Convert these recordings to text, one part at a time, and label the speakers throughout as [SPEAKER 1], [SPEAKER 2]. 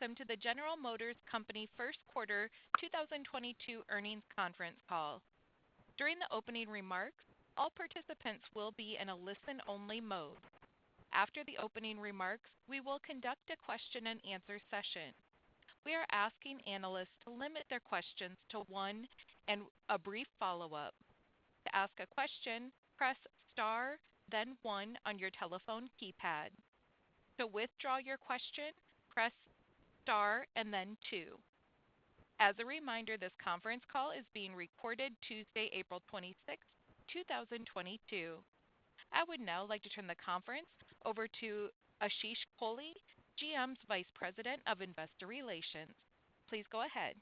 [SPEAKER 1] Welcome to the General Motors Company first quarter 2022 earnings conference call. During the opening remarks, all participants will be in a listen-only mode. After the opening remarks, we will conduct a question-and-answer session. We are asking analysts to limit their questions to one and a brief follow-up. To ask a question, press star, then one on your telephone keypad. To withdraw your question, press star, and then two. As a reminder, this conference call is being recorded, Tuesday, April 26, 2022. I would now like to turn the conference over to Ashish Kohli, GM's Vice President of Investor Relations. Please go ahead..........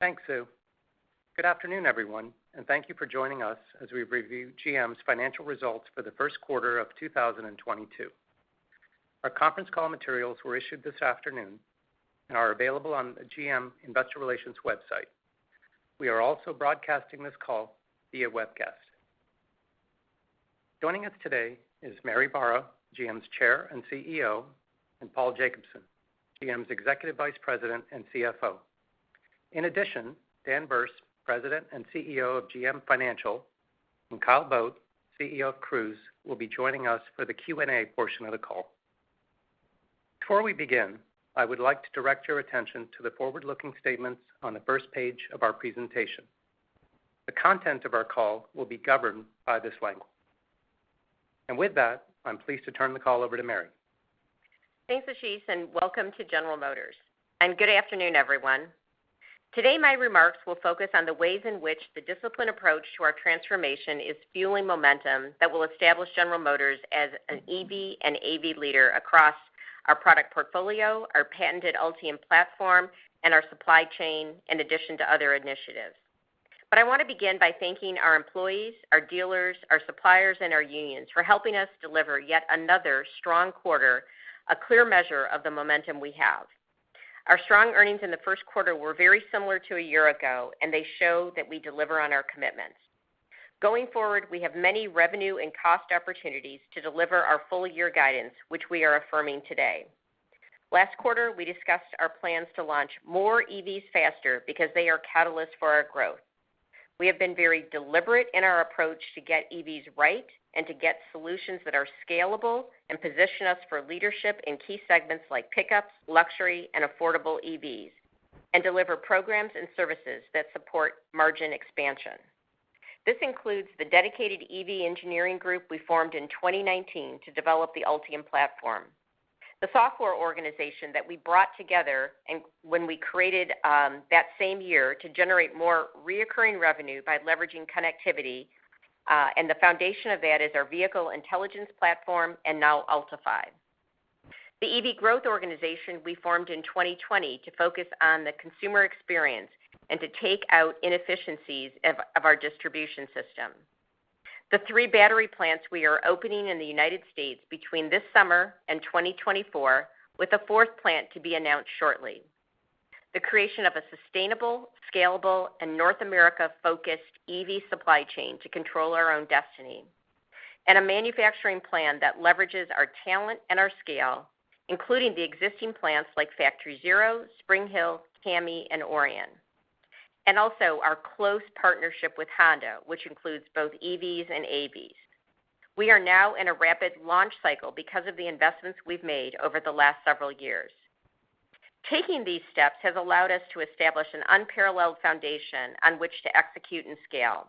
[SPEAKER 2] Thanks, Sue. Good afternoon, everyone, and thank you for joining us as we review GM's financial results for the first quarter of 2022. Our conference call materials were issued this afternoon and are available on GM Investor Relations website. We are also broadcasting this call via webcast. Joining us today is Mary Barra, GM's Chair and CEO, and Paul Jacobson, GM's Executive Vice President and CFO. In addition, Dan Berce, President and CEO of GM Financial, and Kyle Vogt, CEO of Cruise, will be joining us for the Q&A portion of the call. Before we begin, I would like to direct your attention to the forward-looking statements on the first page of our presentation. The content of our call will be governed by this language. With that, I'm pleased to turn the call over to Mary.
[SPEAKER 3] Thanks, Ashish, and welcome to General Motors. Good afternoon, everyone. Today, my remarks will focus on the ways in which the disciplined approach to our transformation is fueling momentum that will establish General Motors as an EV and AV leader across our product portfolio, our patented Ultium platform, and our supply chain, in addition to other initiatives. I want to begin by thanking our employees, our dealers, our suppliers, and our unions for helping us deliver yet another strong quarter, a clear measure of the momentum we have. Our strong earnings in the first quarter were very similar to a year ago, and they show that we deliver on our commitments. Going forward, we have many revenue and cost opportunities to deliver our full-year guidance, which we are affirming today. Last quarter, we discussed our plans to launch more EVs faster because they are catalysts for our growth. We have been very deliberate in our approach to get EVs right and to get solutions that are scalable and position us for leadership in key segments like pickups, luxury, and affordable EVs, and deliver programs and services that support margin expansion. This includes the dedicated EV engineering group we formed in 2019 to develop the Ultium platform. The software organization that we brought together when we created that same year to generate more recurring revenue by leveraging connectivity, and the foundation of that is our vehicle intelligence platform and now Ultifi. The EV Growth organization we formed in 2020 to focus on the consumer experience and to take out inefficiencies of our distribution system. The three battery plants we are opening in the United States between this summer and 2024, with a fourth plant to be announced shortly. The creation of a sustainable, scalable, and North America-focused EV supply chain to control our own destiny. A manufacturing plan that leverages our talent and our scale, including the existing plants like Factory Zero, Spring Hill, CAMI, and Orion. Also our close partnership with Honda, which includes both EVs and AVs. We are now in a rapid launch cycle because of the investments we've made over the last several years. Taking these steps has allowed us to establish an unparalleled foundation on which to execute and scale.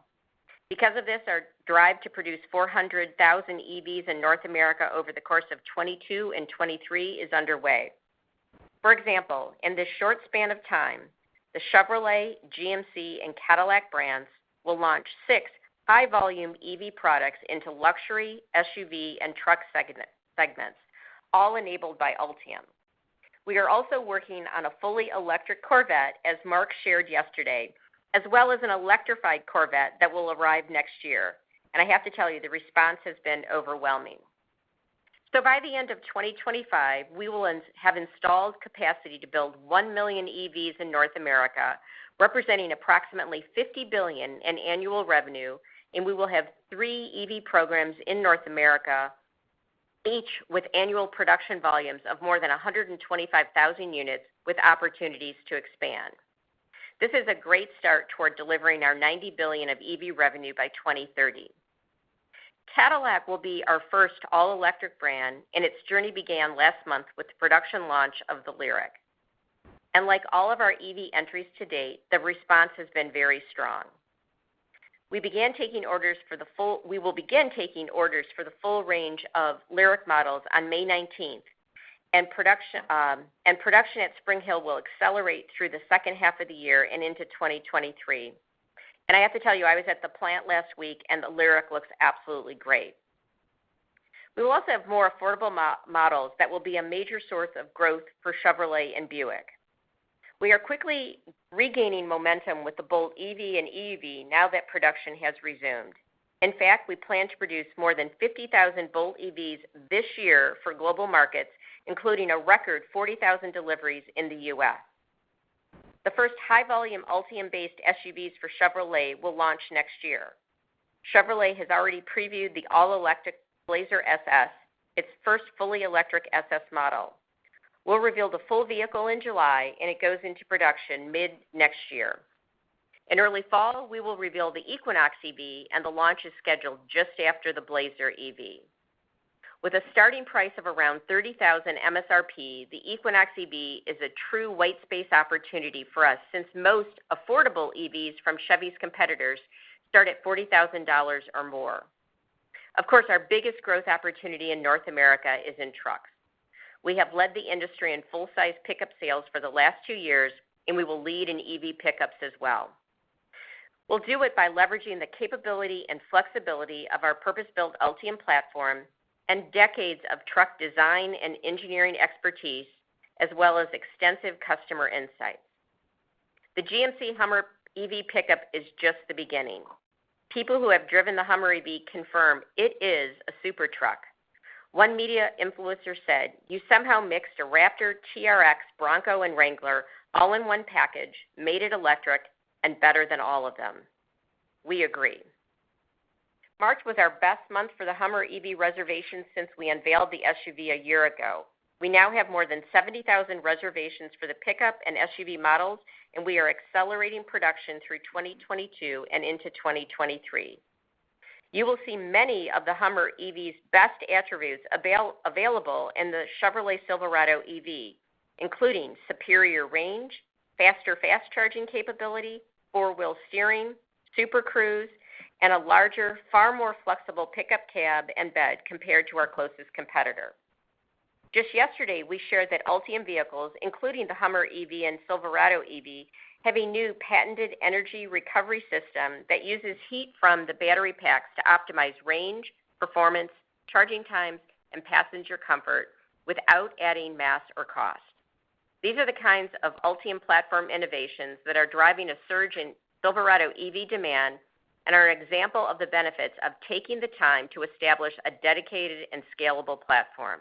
[SPEAKER 3] Because of this, our drive to produce 400,000 EVs in North America over the course of 2022 and 2023 is underway. For example, in this short span of time, the Chevrolet, GMC, and Cadillac brands will launch six high-volume EV products into luxury, SUV, and truck segments, all enabled by Ultium. We are also working on a fully electric Corvette, as Mark shared yesterday, as well as an electrified Corvette that will arrive next year. I have to tell you, the response has been overwhelming. By the end of 2025, we will have installed capacity to build 1 million EVs in North America, representing approximately $50 billion in annual revenue, and we will have three EV programs in North America, each with annual production volumes of more than 125,000 units with opportunities to expand. This is a great start toward delivering our $90 billion of EV revenue by 2030. Cadillac will be our first all-electric brand, and its journey began last month with the production launch of the LYRIQ. Like all of our EV entries to date, the response has been very strong. We will begin taking orders for the full range of LYRIQ models on May 19, and production at Spring Hill will accelerate through the second half of the year and into 2023. I have to tell you, I was at the plant last week, and the LYRIQ looks absolutely great. We will also have more affordable models that will be a major source of growth for Chevrolet and Buick. We are quickly regaining momentum with the Bolt EV and EUV now that production has resumed. In fact, we plan to produce more than 50,000 Bolt EVs this year for global markets, including a record 40,000 deliveries in the U.S. The first high-volume Ultium-based SUVs for Chevrolet will launch next year. Chevrolet has already previewed the all-electric Blazer EV SS, its first fully electric SS model. We'll reveal the full vehicle in July, and it goes into production mid-next year. In early fall, we will reveal the Equinox EV, and the launch is scheduled just after the Blazer EV. With a starting price of around $30,000 MSRP, the Equinox EV is a true white space opportunity for us since most affordable EVs from Chevy's competitors start at $40,000 or more. Of course, our biggest growth opportunity in North America is in trucks. We have led the industry in full-size pickup sales for the last two years, and we will lead in EV pickups as well. We'll do it by leveraging the capability and flexibility of our purpose-built Ultium platform and decades of truck design and engineering expertise, as well as extensive customer insights. The GMC HUMMER EV pickup is just the beginning. People who have driven the HUMMER EV confirm it is a super truck. One media influencer said, "You somehow mixed a Raptor, TRX, Bronco, and Wrangler all in one package, made it electric, and better than all of them." We agree. March was our best month for the HUMMER EV reservations since we unveiled the SUV a year ago. We now have more than 70,000 reservations for the pickup and SUV models, and we are accelerating production through 2022 and into 2023. You will see many of the HUMMER EV's best attributes available in the Chevrolet Silverado EV, including superior range, faster fast-charging capability, four-wheel steering, Super Cruise, and a larger, far more flexible pickup cab and bed compared to our closest competitor. Just yesterday, we shared that Ultium vehicles, including the HUMMER EV and Silverado EV, have a new patented energy recovery system that uses heat from the battery packs to optimize range, performance, charging times, and passenger comfort without adding mass or cost. These are the kinds of Ultium platform innovations that are driving a surge in Silverado EV demand and are an example of the benefits of taking the time to establish a dedicated and scalable platform.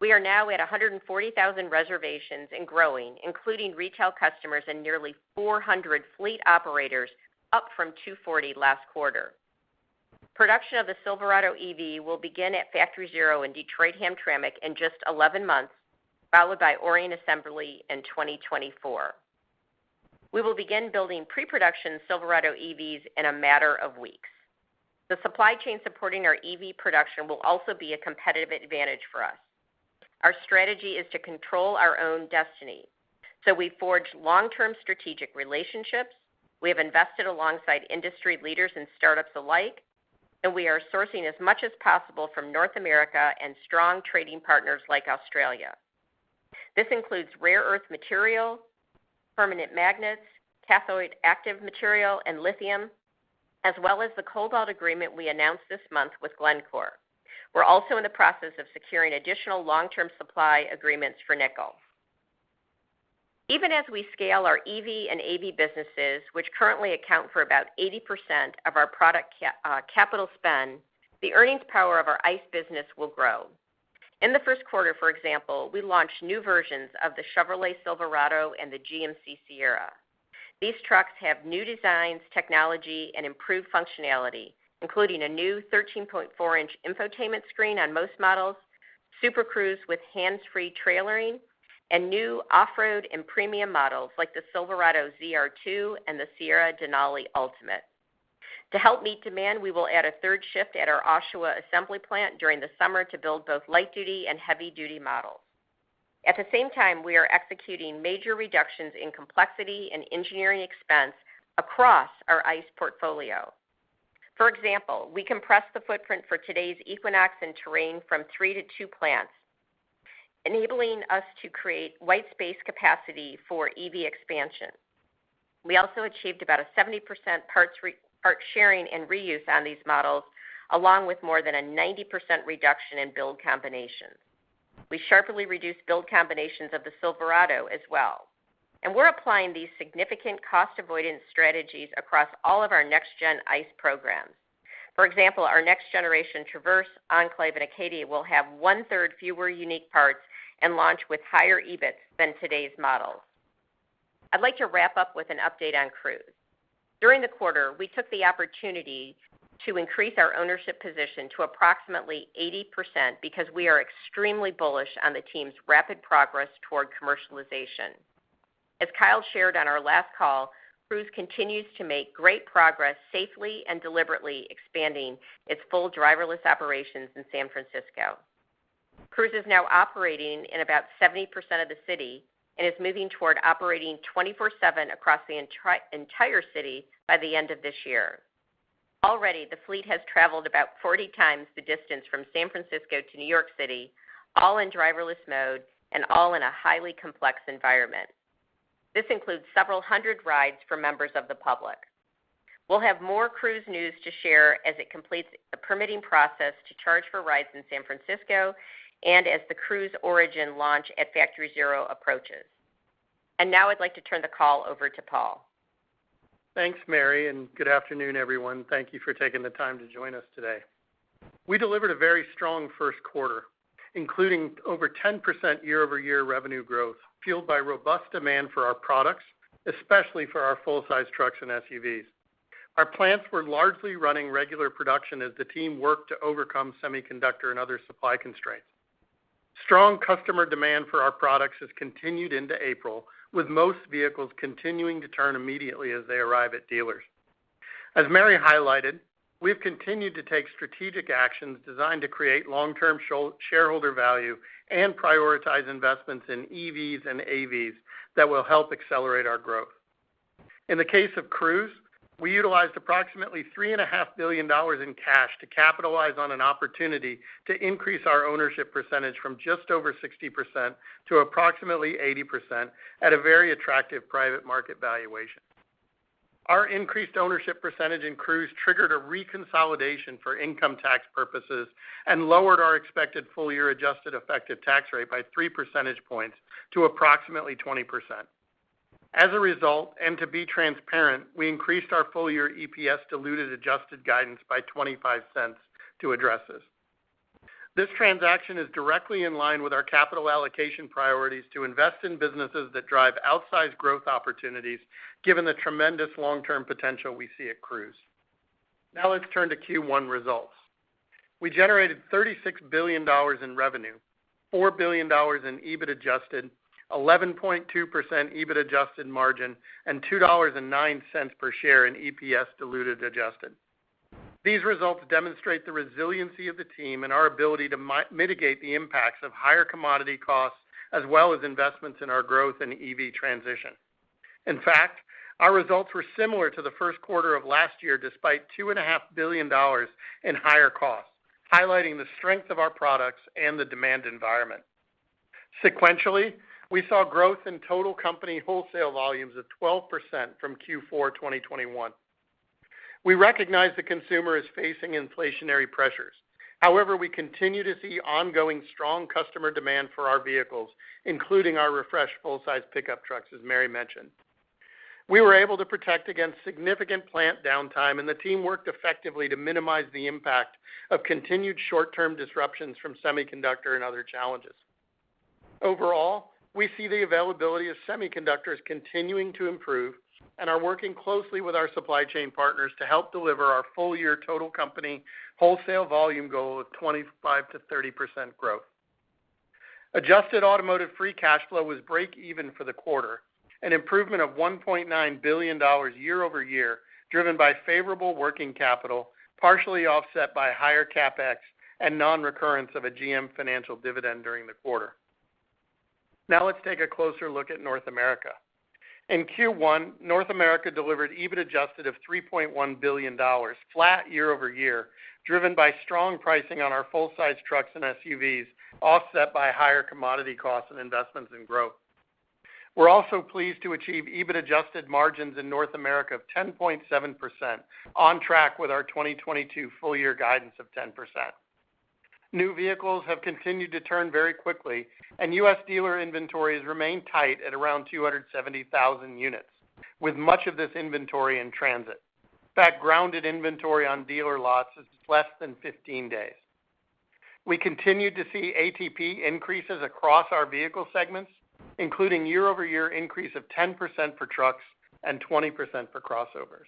[SPEAKER 3] We are now at 140,000 reservations and growing, including retail customers and nearly 400 fleet operators, up from 240 last quarter. Production of the Silverado EV will begin at Factory Zero in Detroit-Hamtramck in just 11 months, followed by Orion Assembly in 2024. We will begin building pre-production Silverado EVs in a matter of weeks. The supply chain supporting our EV production will also be a competitive advantage for us. Our strategy is to control our own destiny, so we forge long-term strategic relationships, we have invested alongside industry leaders and startups alike, and we are sourcing as much as possible from North America and strong trading partners like Australia. This includes rare earth material, permanent magnets, cathode active material, and lithium, as well as the cobalt agreement we announced this month with Glencore. We're also in the process of securing additional long-term supply agreements for nickel. Even as we scale our EV and AV businesses, which currently account for about 80% of our product capital spend, the earnings power of our ICE business will grow. In the first quarter, for example, we launched new versions of the Chevrolet Silverado and the GMC Sierra. These trucks have new designs, technology, and improved functionality, including a new 13.4-inch infotainment screen on most models, Super Cruise with hands-free trailering, and new off-road and premium models like the Silverado ZR2 and the Sierra Denali Ultimate. To help meet demand, we will add a third shift at our Oshawa Assembly plant during the summer to build both light-duty and heavy-duty models. At the same time, we are executing major reductions in complexity and engineering expense across our ICE portfolio. For example, we compressed the footprint for today's Equinox and Terrain from three to two plants, enabling us to create white space capacity for EV expansion. We also achieved about 70% parts re-part sharing and reuse on these models, along with more than 90% reduction in build combinations. We sharply reduced build combinations of the Silverado as well. We're applying these significant cost avoidance strategies across all of our next-gen ICE programs. For example, our next-generation Traverse, Enclave, and Acadia will have one-third fewer unique parts and launch with higher EBITs than today's models. I'd like to wrap up with an update on Cruise. During the quarter, we took the opportunity to increase our ownership position to approximately 80% because we are extremely bullish on the team's rapid progress toward commercialization. As Kyle shared on our last call, Cruise continues to make great progress safely and deliberately expanding its full driverless operations in San Francisco. Cruise is now operating in about 70% of the city and is moving toward operating 24/7 across the entire city by the end of this year. Already, the fleet has traveled about 40 times the distance from San Francisco to New York City, all in driverless mode and all in a highly complex environment. This includes several hundred rides for members of the public. We'll have more Cruise news to share as it completes the permitting process to charge for rides in San Francisco and as the Cruise Origin launch at Factory Zero approaches. Now I'd like to turn the call over to Paul.
[SPEAKER 4] Thanks, Mary, and good afternoon, everyone. Thank you for taking the time to join us today. We delivered a very strong first quarter, including over 10% year-over-year revenue growth, fueled by robust demand for our products, especially for our full-sized trucks and SUVs. Our plants were largely running regular production as the team worked to overcome semiconductor and other supply constraints. Strong customer demand for our products has continued into April, with most vehicles continuing to turn immediately as they arrive at dealers. As Mary highlighted, we've continued to take strategic actions designed to create long-term shareholder value and prioritize investments in EVs and AVs that will help accelerate our growth. In the case of Cruise, we utilized approximately $3.5 billion in cash to capitalize on an opportunity to increase our ownership percentage from just over 60% to approximately 80% at a very attractive private market valuation. Our increased ownership percentage in Cruise triggered a reconsolidation for income tax purposes and lowered our expected full-year adjusted effective tax rate by 3 percentage points to approximately 20%. As a result, and to be transparent, we increased our full-year EPS-diluted-adjusted guidance by $0.25 to address this. This transaction is directly in line with our capital allocation priorities to invest in businesses that drive outsized growth opportunities given the tremendous long-term potential we see at Cruise. Now let's turn to Q1 results. We generated $36 billion in revenue, $4 billion in EBIT-adjusted, 11.2% EBIT-adjusted margin, and $2.09 per share in EPS-diluted-adjusted. These results demonstrate the resiliency of the team and our ability to mitigate the impacts of higher commodity costs, as well as investments in our growth and EV transition. In fact, our results were similar to the first quarter of last year, despite $2.5 billion in higher costs, highlighting the strength of our products and the demand environment. Sequentially, we saw growth in total company wholesale volumes of 12% from Q4 2021. We recognize the consumer is facing inflationary pressures. However, we continue to see ongoing strong customer demand for our vehicles, including our refreshed full-size pickup trucks, as Mary mentioned. We were able to protect against significant plant downtime, and the team worked effectively to minimize the impact of continued short-term disruptions from semiconductor and other challenges. Overall, we see the availability of semiconductors continuing to improve and are working closely with our supply chain partners to help deliver our full year total company wholesale volume goal of 25%-30% growth. Adjusted automotive free cash flow was break even for the quarter, an improvement of $1.9 billion year-over-year, driven by favorable working capital, partially offset by higher CapEx and non-recurrence of a GM Financial dividend during the quarter. Now let's take a closer look at North America. In Q1, North America delivered EBIT-adjusted of $3.1 billion, flat year-over-year, driven by strong pricing on our full-size trucks and SUVs, offset by higher commodity costs and investments in growth. We're also pleased to achieve EBIT-adjusted margins in North America of 10.7% on track with our 2022 full year guidance of 10%. New vehicles have continued to turn very quickly and U.S. dealer inventories remain tight at around 270,000 units, with much of this inventory in transit. In fact, grounded inventory on dealer lots is less than 15 days. We continued to see ATP increases across our vehicle segments, including year-over-year increase of 10% for trucks and 20% for crossovers.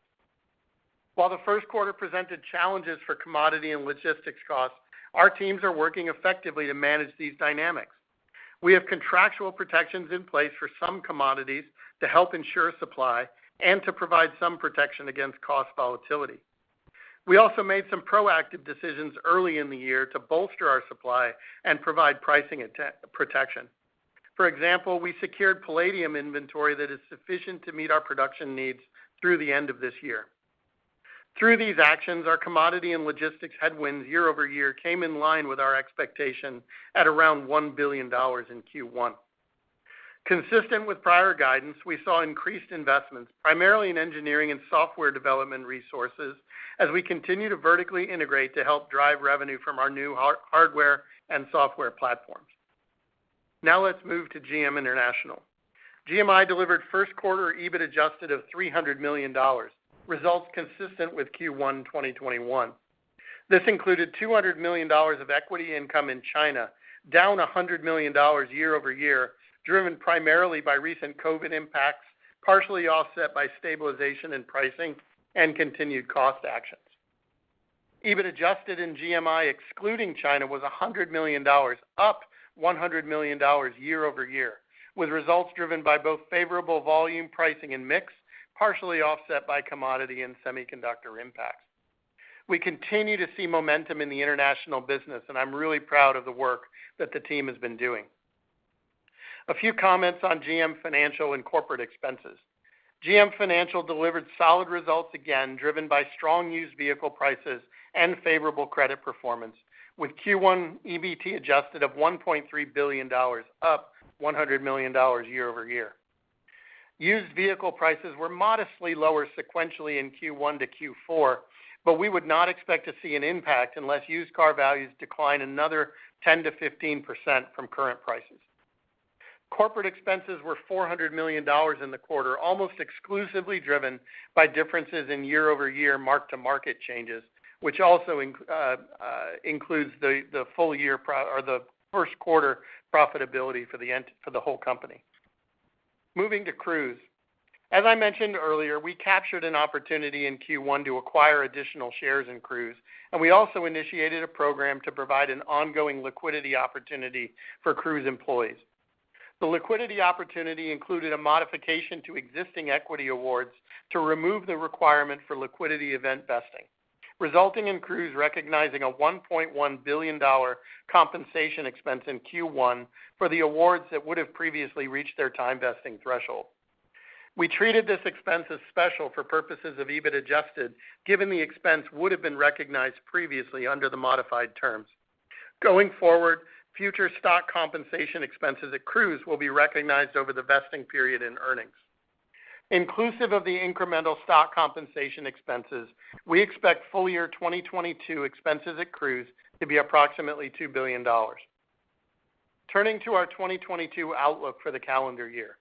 [SPEAKER 4] While the first quarter presented challenges for commodity and logistics costs, our teams are working effectively to manage these dynamics. We have contractual protections in place for some commodities to help ensure supply and to provide some protection against cost volatility. We also made some proactive decisions early in the year to bolster our supply and provide pricing protection. For example, we secured palladium inventory that is sufficient to meet our production needs through the end of this year. Through these actions, our commodity and logistics headwinds year-over-year came in line with our expectation at around $1 billion in Q1. Consistent with prior guidance, we saw increased investments, primarily in engineering and software development resources, as we continue to vertically integrate to help drive revenue from our new hardware and software platforms. Now let's move to GM International. GMI delivered first quarter EBIT-adjusted of $300 million, results consistent with Q1 2021. This included $200 million of equity income in China, down $100 million year-over-year, driven primarily by recent COVID impacts, partially offset by stabilization in pricing and continued cost actions. EBIT-adjusted in GMI, excluding China, was $100 million, up $100 million year-over-year, with results driven by both favorable volume pricing and mix, partially offset by commodity and semiconductor impacts. We continue to see momentum in the international business, and I'm really proud of the work that the team has been doing. A few comments on GM Financial and corporate expenses. GM Financial delivered solid results, again driven by strong used vehicle prices and favorable credit performance, with Q1 EBIT-adjusted of $1.3 billion, up $100 million year-over-year. Used vehicle prices were modestly lower sequentially in Q1 to Q4, but we would not expect to see an impact unless used car values decline another 10%-15% from current prices. Corporate expenses were $400 million in the quarter, almost exclusively driven by differences in year-over-year mark-to-market changes, which also includes the first quarter profitability for the whole company. Moving to Cruise. As I mentioned earlier, we captured an opportunity in Q1 to acquire additional shares in Cruise, and we also initiated a program to provide an ongoing liquidity opportunity for Cruise employees. The liquidity opportunity included a modification to existing equity awards to remove the requirement for liquidity event vesting, resulting in Cruise recognizing a $1.1 billion compensation expense in Q1 for the awards that would have previously reached their time vesting threshold. We treated this expense as special for purposes of EBIT-adjusted, given the expense would have been recognized previously under the modified terms. Going forward, future stock compensation expenses at Cruise will be recognized over the vesting period in earnings. Inclusive of the incremental stock compensation expenses, we expect full-year 2022 expenses at Cruise to be approximately $2 billion. Turning to our 2022 outlook for the calendar year.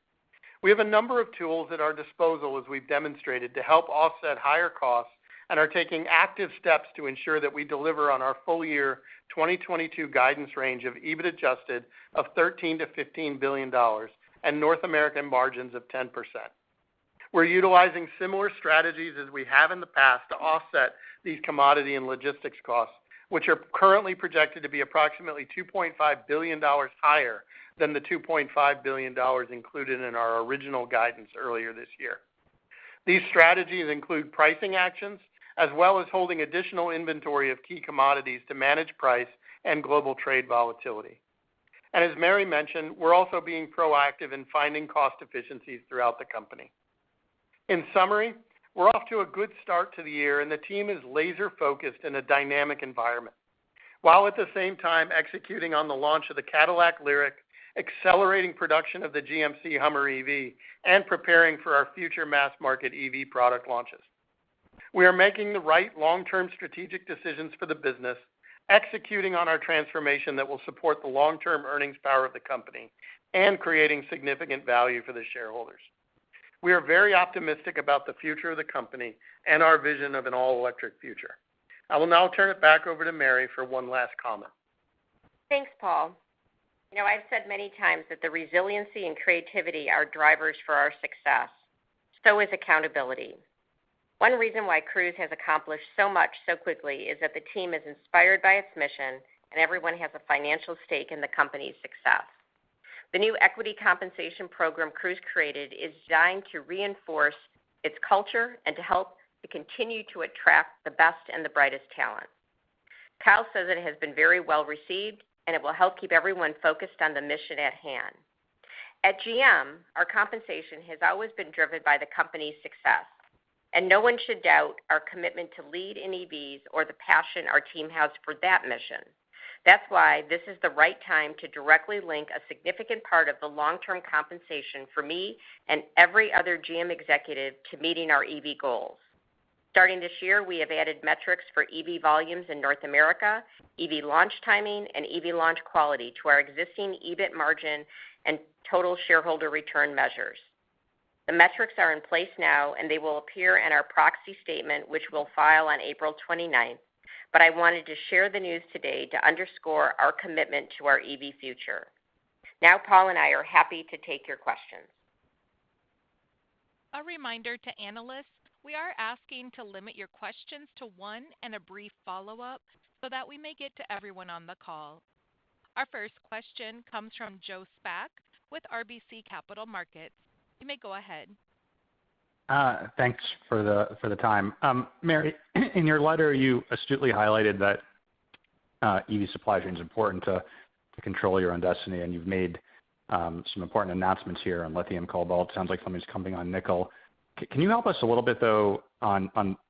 [SPEAKER 4] We have a number of tools at our disposal, as we've demonstrated, to help offset higher costs and are taking active steps to ensure that we deliver on our full-year 2022 guidance range of EBIT-adjusted of $13 billion-$15 billion and North American margins of 10%. We're utilizing similar strategies as we have in the past to offset these commodity and logistics costs, which are currently projected to be approximately $2.5 billion higher than the $2.5 billion included in our original guidance earlier this year. These strategies include pricing actions as well as holding additional inventory of key commodities to manage price and global trade volatility. As Mary mentioned, we're also being proactive in finding cost efficiencies throughout the company. In summary, we're off to a good start to the year, and the team is laser-focused in a dynamic environment, while at the same time executing on the launch of the Cadillac LYRIQ, accelerating production of the GMC HUMMER EV, and preparing for our future mass-market EV product launches. We are making the right long-term strategic decisions for the business, executing on our transformation that will support the long-term earnings power of the company, and creating significant value for the shareholders. We are very optimistic about the future of the company and our vision of an all-electric future. I will now turn it back over to Mary for one last comment.
[SPEAKER 3] Thanks, Paul. You know, I've said many times that the resiliency and creativity are drivers for our success. So is accountability. One reason why Cruise has accomplished so much so quickly is that the team is inspired by its mission, and everyone has a financial stake in the company's success. The new equity compensation program Cruise created is designed to reinforce its culture and to help to continue to attract the best and the brightest talent. Kyle says it has been very well received, and it will help keep everyone focused on the mission at hand. At GM, our compensation has always been driven by the company's success, and no one should doubt our commitment to lead in EVs or the passion our team has for that mission. That's why this is the right time to directly link a significant part of the long-term compensation for me and every other GM executive to meeting our EV goals. Starting this year, we have added metrics for EV volumes in North America, EV launch timing, and EV launch quality to our existing EBIT margin and total shareholder return measures. The metrics are in place now, and they will appear in our proxy statement, which we'll file on April 29th. I wanted to share the news today to underscore our commitment to our EV future. Now, Paul and I are happy to take your questions.
[SPEAKER 1] A reminder to analysts, we are asking to limit your questions to one and a brief follow-up so that we may get to everyone on the call. Our first question comes from Joe Spak with RBC Capital Markets. You may go ahead.
[SPEAKER 5] Thanks for the time. Mary, in your letter, you astutely highlighted that EV supply chain is important to control your own destiny, and you've made some important announcements here on lithium, cobalt. Sounds like something's coming on nickel. Can you help us a little bit, though, on,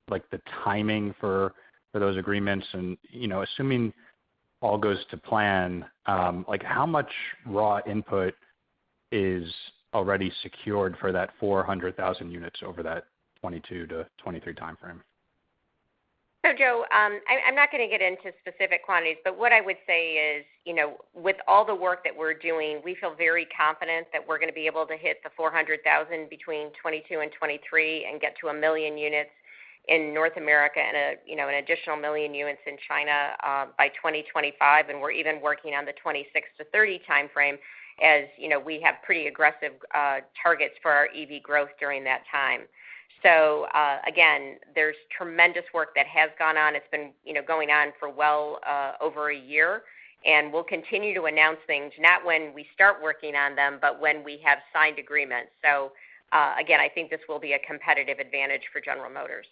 [SPEAKER 5] like, the timing for those agreements? You know, assuming all goes to plan, like, how much raw input is already secured for that 400,000 units over that 2022 to 2023 timeframe?
[SPEAKER 3] Joe, I'm not gonna get into specific quantities, but what I would say is, you know, with all the work that we're doing, we feel very confident that we're gonna be able to hit 400,000 between 2022 and 2023 and get to 1 million units in North America and a, you know, an additional 1 million units in China by 2025, and we're even working on the 2026-2030 timeframe as, you know, we have pretty aggressive targets for our EV Growth during that time. Again, there's tremendous work that has gone on. It's been, you know, going on for well over a year, and we'll continue to announce things, not when we start working on them, but when we have signed agreements. Again, I think this will be a competitive advantage for General Motors.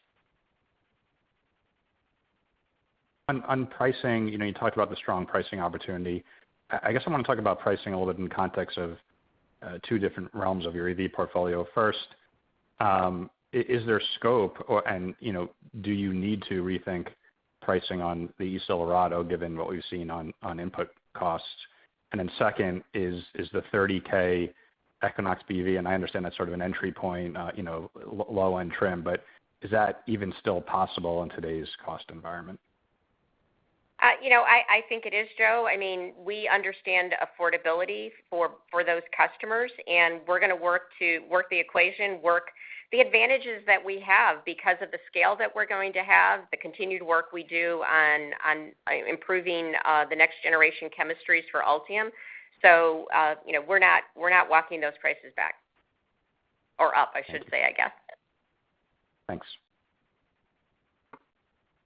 [SPEAKER 5] On pricing, you know, you talked about the strong pricing opportunity. I guess I wanna talk about pricing a little bit in the context of two different realms of your EV portfolio. First, is there scope, and, you know, do you need to rethink pricing on the Silverado given what we've seen on input costs? Second, is the $30,000 Equinox EV, and I understand that's sort of an entry point, you know, low-end trim, but is that even still possible in today's cost environment?
[SPEAKER 3] You know, I think it is, Joe. I mean, we understand affordability for those customers, and we're gonna work to work the equation, work the advantages that we have because of the scale that we're going to have, the continued work we do on improving the next generation chemistries for Ultium. You know, we're not walking those prices back or up, I should say, I guess.
[SPEAKER 5] Thanks.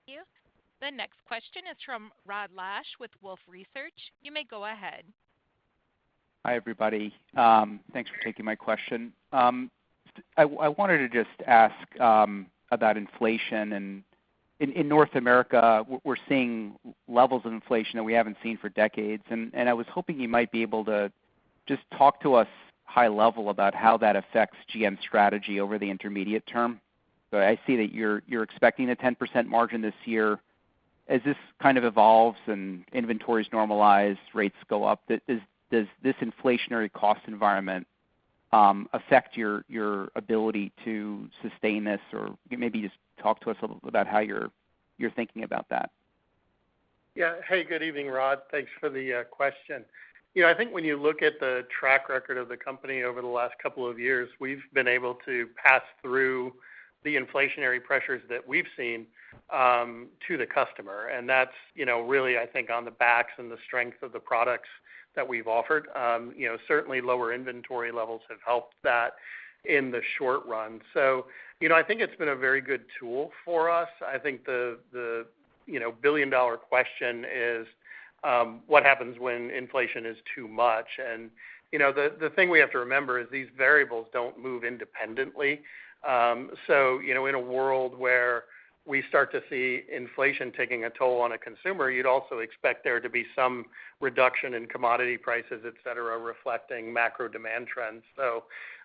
[SPEAKER 1] Thank you. The next question is from Rod Lache with Wolfe Research. You may go ahead.
[SPEAKER 6] Hi, everybody. Thanks for taking my question. I wanted to just ask about inflation. In North America, we're seeing levels of inflation that we haven't seen for decades. I was hoping you might be able to just talk to us high level about how that affects GM strategy over the intermediate term. I see that you're expecting a 10% margin this year. As this kind of evolves and inventories normalize, rates go up, does this inflationary cost environment affect your ability to sustain this? Maybe just talk to us a little about how you're thinking about that.
[SPEAKER 4] Hey, good evening, Rod. Thanks for the question. You know, I think when you look at the track record of the company over the last couple of years, we've been able to pass through the inflationary pressures that we've seen to the customer. That's, you know, really, I think, on the backs and the strength of the products that we've offered. You know, certainly lower inventory levels have helped that in the short run. You know, I think it's been a very good tool for us. I think the you know, billion-dollar question is, what happens when inflation is too much? You know, the thing we have to remember is these variables don't move independently. you know, in a world where we start to see inflation taking a toll on a consumer, you'd also expect there to be some reduction in commodity prices, et cetera, reflecting macro demand trends.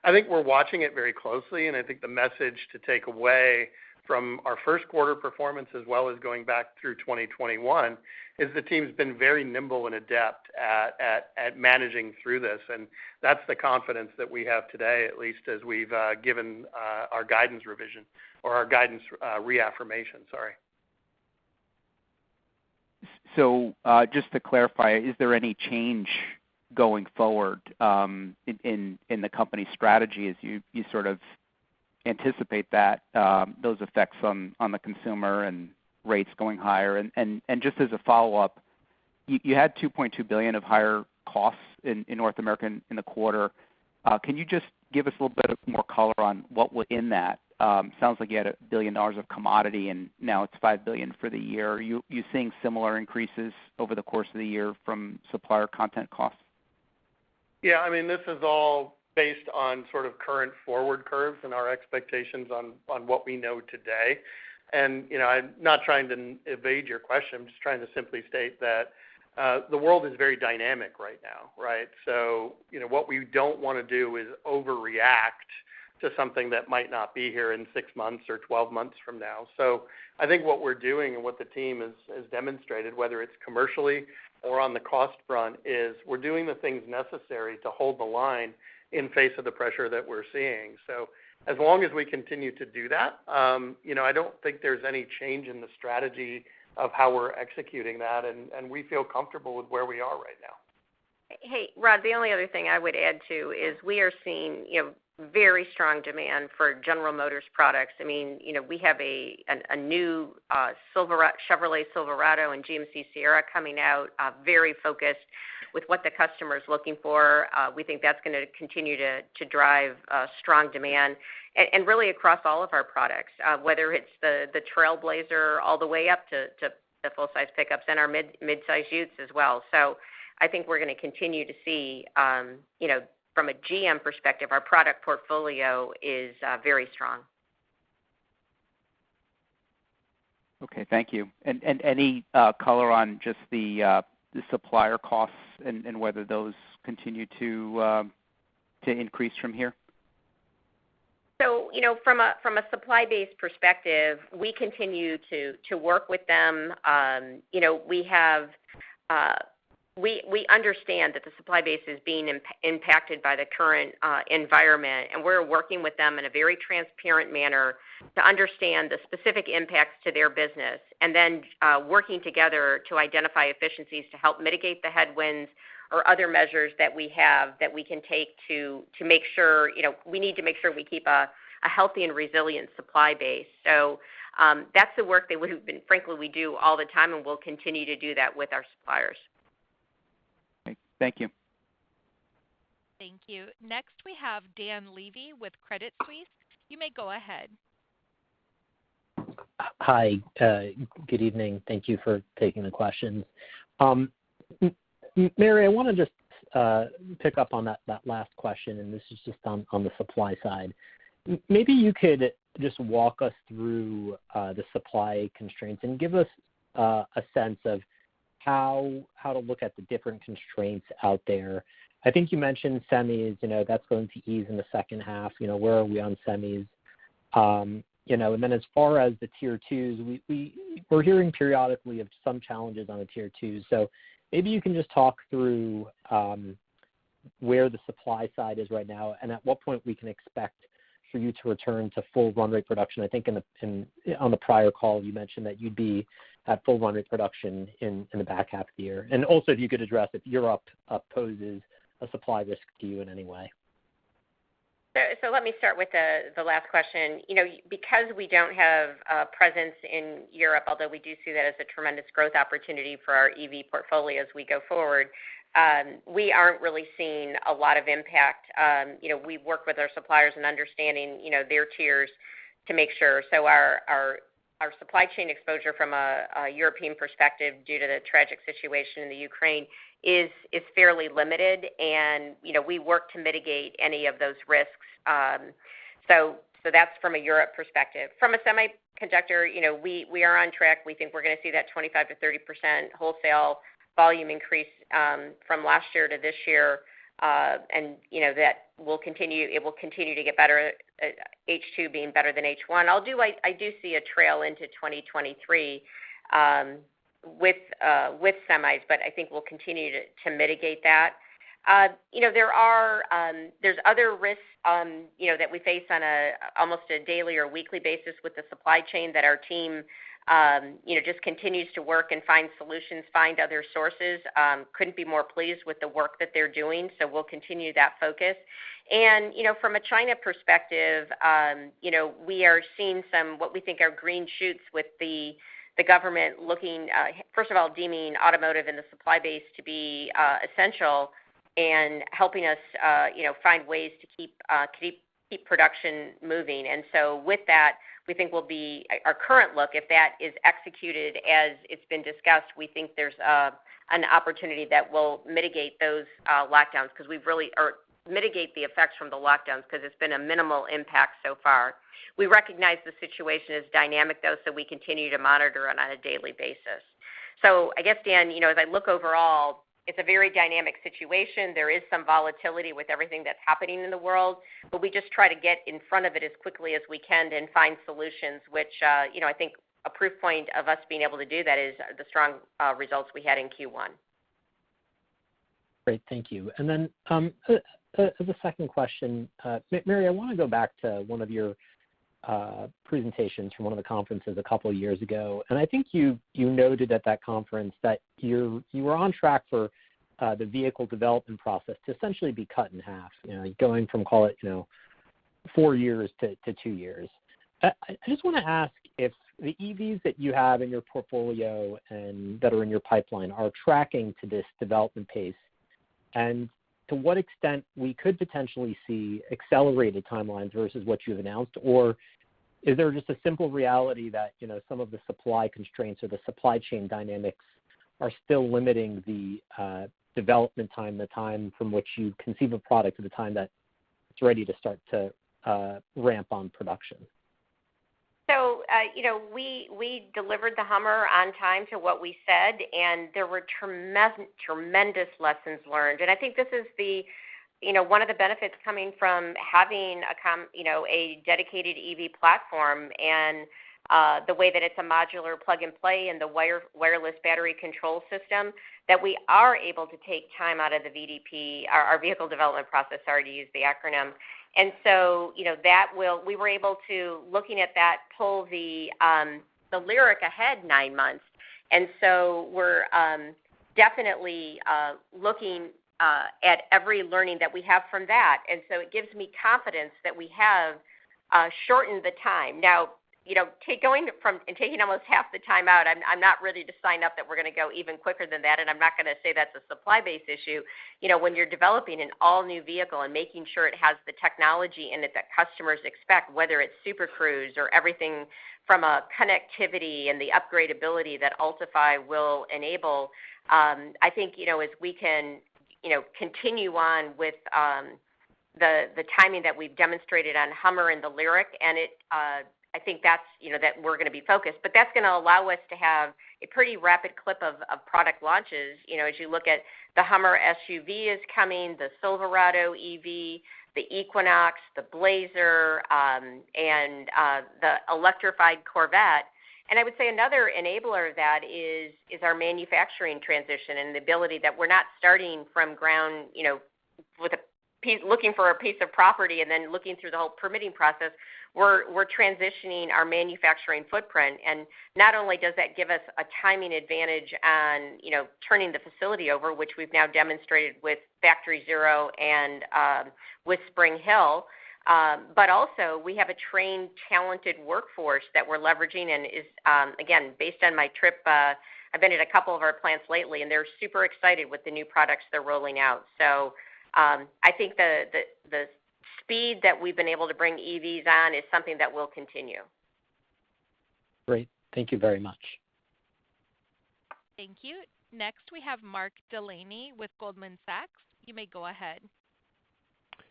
[SPEAKER 4] I think we're watching it very closely, and I think the message to take away from our first quarter performance, as well as going back through 2021, is the team's been very nimble and adept at managing through this. That's the confidence that we have today, at least as we've given our guidance revision or our guidance reaffirmation. Sorry.
[SPEAKER 6] Just to clarify, is there any change going forward in the company's strategy as you sort of anticipate that those effects on the consumer and rates going higher? Just as a follow-up, you had $2.2 billion of higher costs in North America in the quarter. Can you just give us a little bit more color on what was in that? Sounds like you had $1 billion of commodity, and now it's $5 billion for the year. Are you seeing similar increases over the course of the year from supplier content costs?
[SPEAKER 4] Yeah, I mean, this is all based on sort of current forward curves and our expectations on what we know today. You know, I'm not trying to evade your question. I'm just trying to simply state that, the world is very dynamic right now, right? You know, what we don't wanna do is overreact to something that might not be here in six months or 12 months from now. I think what we're doing and what the team has demonstrated, whether it's commercially or on the cost front, is we're doing the things necessary to hold the line in face of the pressure that we're seeing. As long as we continue to do that, you know, I don't think there's any change in the strategy of how we're executing that, and we feel comfortable with where we are right now.
[SPEAKER 3] Hey, Rod, the only other thing I would add too is we are seeing very strong demand for General Motors products. We have a new Chevrolet Silverado and GMC Sierra coming out, very focused with what the customer is looking for. We think that's gonna continue to drive strong demand. Really across all of our products, whether it's the Trailblazer all the way up to the full-size pickups and our mid-size utes as well. I think we're gonna continue to see from a GM perspective, our product portfolio is very strong.
[SPEAKER 6] Okay, thank you. Any color on just the supplier costs and whether those continue to increase from here?
[SPEAKER 3] From a supply base perspective, we continue to work with them. You know, we understand that the supply base is being impacted by the current environment, and we're working with them in a very transparent manner to understand the specific impacts to their business, and then working together to identify efficiencies to help mitigate the headwinds or other measures that we have that we can take to make sure, you know, we need to make sure we keep a healthy and resilient supply base. That's the work, frankly, we do all the time, and we'll continue to do that with our suppliers.
[SPEAKER 6] Okay. Thank you.
[SPEAKER 1] Thank you. Next, we have Dan Levy with Credit Suisse. You may go ahead.
[SPEAKER 7] Hi. Good evening. Thank you for taking the questions. Mary, I wanna just pick up on that last question, and this is just on the supply side. Maybe you could just walk us through the supply constraints and give us a sense of how to look at the different constraints out there. I think you mentioned semis, you know, that's going to ease in the second half. You know, where are we on semis? You know, and then as far as the tier twos, we're hearing periodically of some challenges on the tier twos. Maybe you can just talk through where the supply side is right now, and at what point we can expect for you to return to full run rate production. I think on the prior call, you mentioned that you'd be at full run rate production in the back half of the year. Also if you could address if Europe poses a supply risk to you in any way.
[SPEAKER 3] Let me start with the last question. You know, because we don't have a presence in Europe, although we do see that as a tremendous growth opportunity for our EV portfolio as we go forward, we aren't really seeing a lot of impact. You know, we work with our suppliers in understanding their tiers to make sure. That's from a Europe perspective. Our supply chain exposure from a European perspective due to the tragic situation in the Ukraine is fairly limited and, you know, we work to mitigate any of those risks. From a semiconductor, we are on track. We think we're gonna see that 25%-30% wholesale volume increase from last year to this year. You know that will continue. It will continue to get better, H2 being better than H1. I do see a trail into 2023 with semis, but I think we'll continue to mitigate that. You know, there are other risks that we face on almost a daily or weekly basis with the supply chain that our team just continues to work and find solutions, find other sources. Couldn't be more pleased with the work that they're doing. So we'll continue that focus. You know, from a China perspective, we are seeing some what we think are green shoots with the government looking first of all, deeming automotive and the supply base to be essential and helping us find ways to keep production moving. With that, we think our current look, if that is executed as it's been discussed, we think there's an opportunity that will mitigate the effects from the lockdowns because it's been a minimal impact so far. We recognize the situation is dynamic, though, so we continue to monitor it on a daily basis. I guess, Dan, you know, as I look overall, it's a very dynamic situation. There is some volatility with everything that's happening in the world, but we just try to get in front of it as quickly as we can and find solutions which, you know, I think a proof point of us being able to do that is the strong results we had in Q1.
[SPEAKER 7] Great. Thank you. Then, as a second question, Mary, I wanna go back to one of your presentations from one of the conferences a couple years ago. I think you noted at that conference that you were on track for the vehicle development process to essentially be cut in half, you know, going from, call it, you know, four years to two years. I just wanna ask if the EVs that you have in your portfolio and that are in your pipeline are tracking to this development pace, and to what extent we could potentially see accelerated timelines versus what you've announced? Is there just a simple reality that, you know, some of the supply constraints or the supply chain dynamics are still limiting the development time, the time from which you conceive a product to the time that it's ready to start to ramp on production?
[SPEAKER 3] You know, we delivered the HUMMER on time to what we said, and there were tremendous lessons learned. I think this is the, you know, one of the benefits coming from having a you know, a dedicated EV platform and the way that it's a modular plug-and-play and the wireless battery control system, that we are able to take time out of the VDP, our vehicle development process, sorry to use the acronym. You know, we were able to, looking at that, pull the LYRIQ ahead nine months. We're definitely looking at every learning that we have from that. It gives me confidence that we have shortened the time. Now, you know, going from and taking almost half the time out, I'm not ready to say that we're gonna go even quicker than that, and I'm not gonna say that's a supply base issue. You know, when you're developing an all-new vehicle and making sure it has the technology in it that customers expect, whether it's Super Cruise or everything from a connectivity and the upgrade ability that Ultifi will enable, I think, you know, as we can, you know, continue on with the timing that we've demonstrated on HUMMER and the LYRIQ, and I think that's, you know, that we're gonna be focused. That's gonna allow us to have a pretty rapid clip of product launches. You know, as you look at the HUMMER SUV is coming, the Silverado EV, the Equinox, the Blazer, and the electrified Corvette. I would say another enabler of that is our manufacturing transition and the ability that we're not starting from ground, you know, looking for a piece of property and then looking through the whole permitting process. We're transitioning our manufacturing footprint. Not only does that give us a timing advantage on, you know, turning the facility over, which we've now demonstrated with Factory Zero and with Spring Hill, but also we have a trained, talented workforce that we're leveraging and is again, based on my trip, I've been at a couple of our plants lately, and they're super excited with the new products they're rolling out. I think the speed that we've been able to bring EVs on is something that will continue.
[SPEAKER 7] Great. Thank you very much.
[SPEAKER 1] Thank you. Next, we have Mark Delaney with Goldman Sachs. You may go ahead.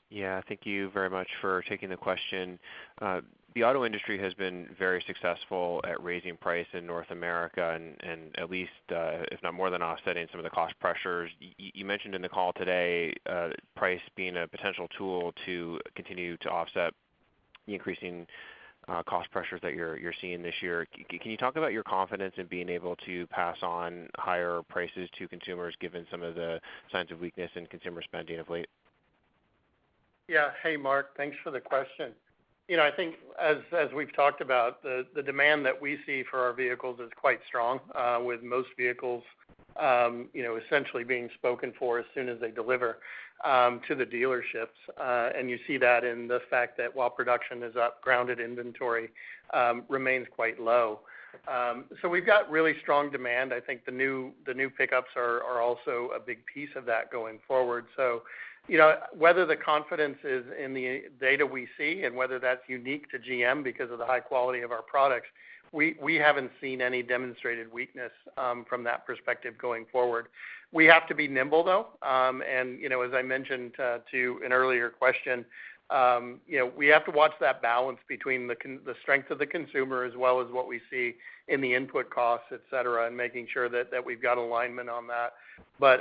[SPEAKER 8] Yeah. Thank you very much for taking the question. The auto industry has been very successful at raising price in North America and at least, if not more than offsetting some of the cost pressures. You mentioned in the call today, price being a potential tool to continue to offset the increasing cost pressures that you're seeing this year. Can you talk about your confidence in being able to pass on higher prices to consumers, given some of the signs of weakness in consumer spending of late?
[SPEAKER 4] Yeah. Hey, Mark. Thanks for the question. You know, I think as we've talked about, the demand that we see for our vehicles is quite strong, with most vehicles, you know, essentially being spoken for as soon as they deliver to the dealerships. You see that in the fact that while production is up, ground inventory remains quite low. We've got really strong demand. I think the new pickups are also a big piece of that going forward. You know, whether the confidence is in the data we see and whether that's unique to GM because of the high quality of our products, we haven't seen any demonstrated weakness from that perspective going forward. We have to be nimble, though, and you know, as I mentioned, to an earlier question, you know, we have to watch that balance between the strength of the consumer as well as what we see in the input costs, et cetera, and making sure that we've got alignment on that.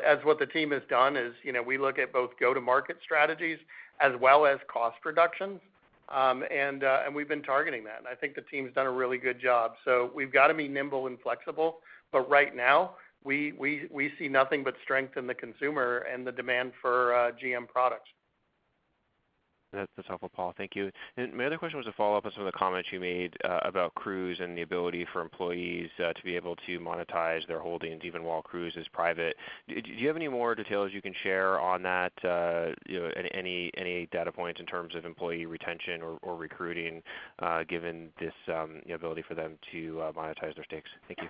[SPEAKER 4] As what the team has done is, you know, we look at both go-to-market strategies as well as cost reductions, and we've been targeting that. I think the team's done a really good job. We've got to be nimble and flexible, but right now, we see nothing but strength in the consumer and the demand for GM products.
[SPEAKER 8] That's helpful, Paul. Thank you. My other question was a follow-up on some of the comments you made about Cruise and the ability for employees to be able to monetize their holdings even while Cruise is private. Do you have any more details you can share on that? You know, any data points in terms of employee retention or recruiting, given this, the ability for them to monetize their stakes? Thank you.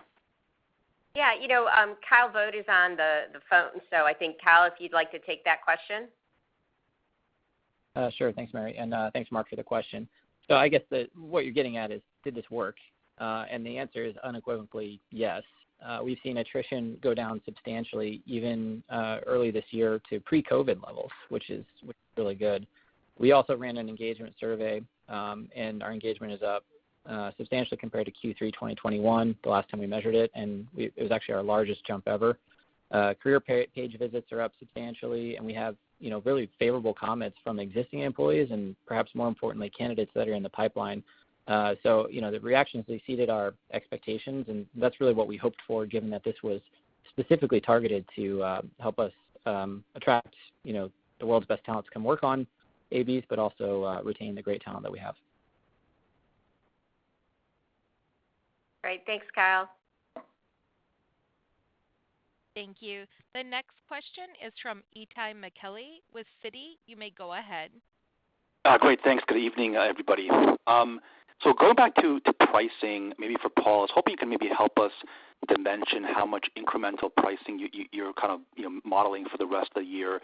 [SPEAKER 3] Yeah, you know, Kyle Vogt is on the phone. I think, Kyle, if you'd like to take that question.
[SPEAKER 9] Sure. Thanks, Mary. Thanks Mark, for the question. I guess what you're getting at is, did this work? The answer is unequivocally, yes. We've seen attrition go down substantially even early this year to pre-COVID levels, which is really good. We also ran an engagement survey, and our engagement is up substantially compared to Q3 2021, the last time we measured it, and it was actually our largest jump ever. Career page visits are up substantially, and we have, you know, really favorable comments from existing employees and perhaps more importantly, candidates that are in the pipeline. You know, the reactions exceeded our expectations, and that's really what we hoped for, given that this was specifically targeted to help us attract, you know, the world's best talents to come work on AVs, but also retain the great talent that we have.
[SPEAKER 3] Great. Thanks, Kyle.
[SPEAKER 1] Thank you. The next question is from Itay Michaeli with Citi. You may go ahead.
[SPEAKER 10] Great, thanks. Good evening, everybody. Going back to pricing, maybe for Paul, I was hoping you can maybe help us dimension how much incremental pricing you're kind of, you know, modeling for the rest of the year,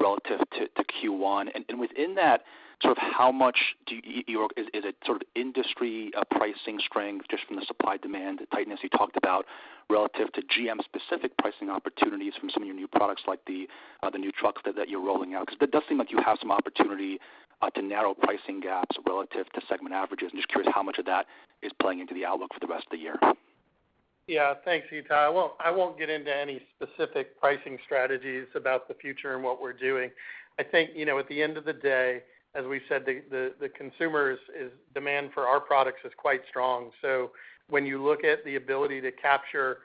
[SPEAKER 10] relative to Q1. Within that, is it sort of industry pricing strength just from the supply-demand tightness you talked about relative to GM-specific pricing opportunities from some of your new products like the new trucks that you're rolling out? Because it does seem like you have some opportunity to narrow pricing gaps relative to segment averages. I'm just curious how much of that is playing into the outlook for the rest of the year.
[SPEAKER 4] Yeah. Thanks, Itay. I won't get into any specific pricing strategies about the future and what we're doing. I think, you know, at the end of the day, as we've said, the consumer's demand for our products is quite strong. So when you look at the ability to capture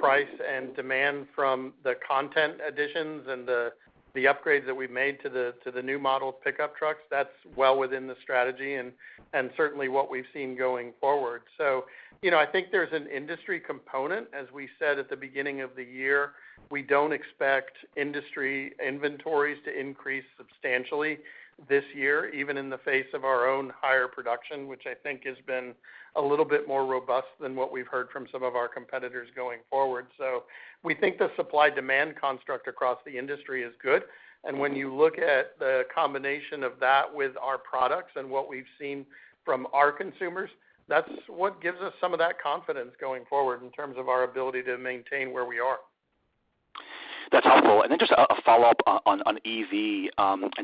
[SPEAKER 4] price and demand from the content additions and the upgrades that we've made to the new model pickup trucks, that's well within the strategy and certainly what we've seen going forward. You know, I think there's an industry component, as we said at the beginning of the year. We don't expect industry inventories to increase substantially this year, even in the face of our own higher production, which I think has been a little bit more robust than what we've heard from some of our competitors going forward. We think the supply-demand construct across the industry is good. When you look at the combination of that with our products and what we've seen from our consumers, that's what gives us some of that confidence going forward in terms of our ability to maintain where we are.
[SPEAKER 10] That's helpful. Just a follow-up on EV.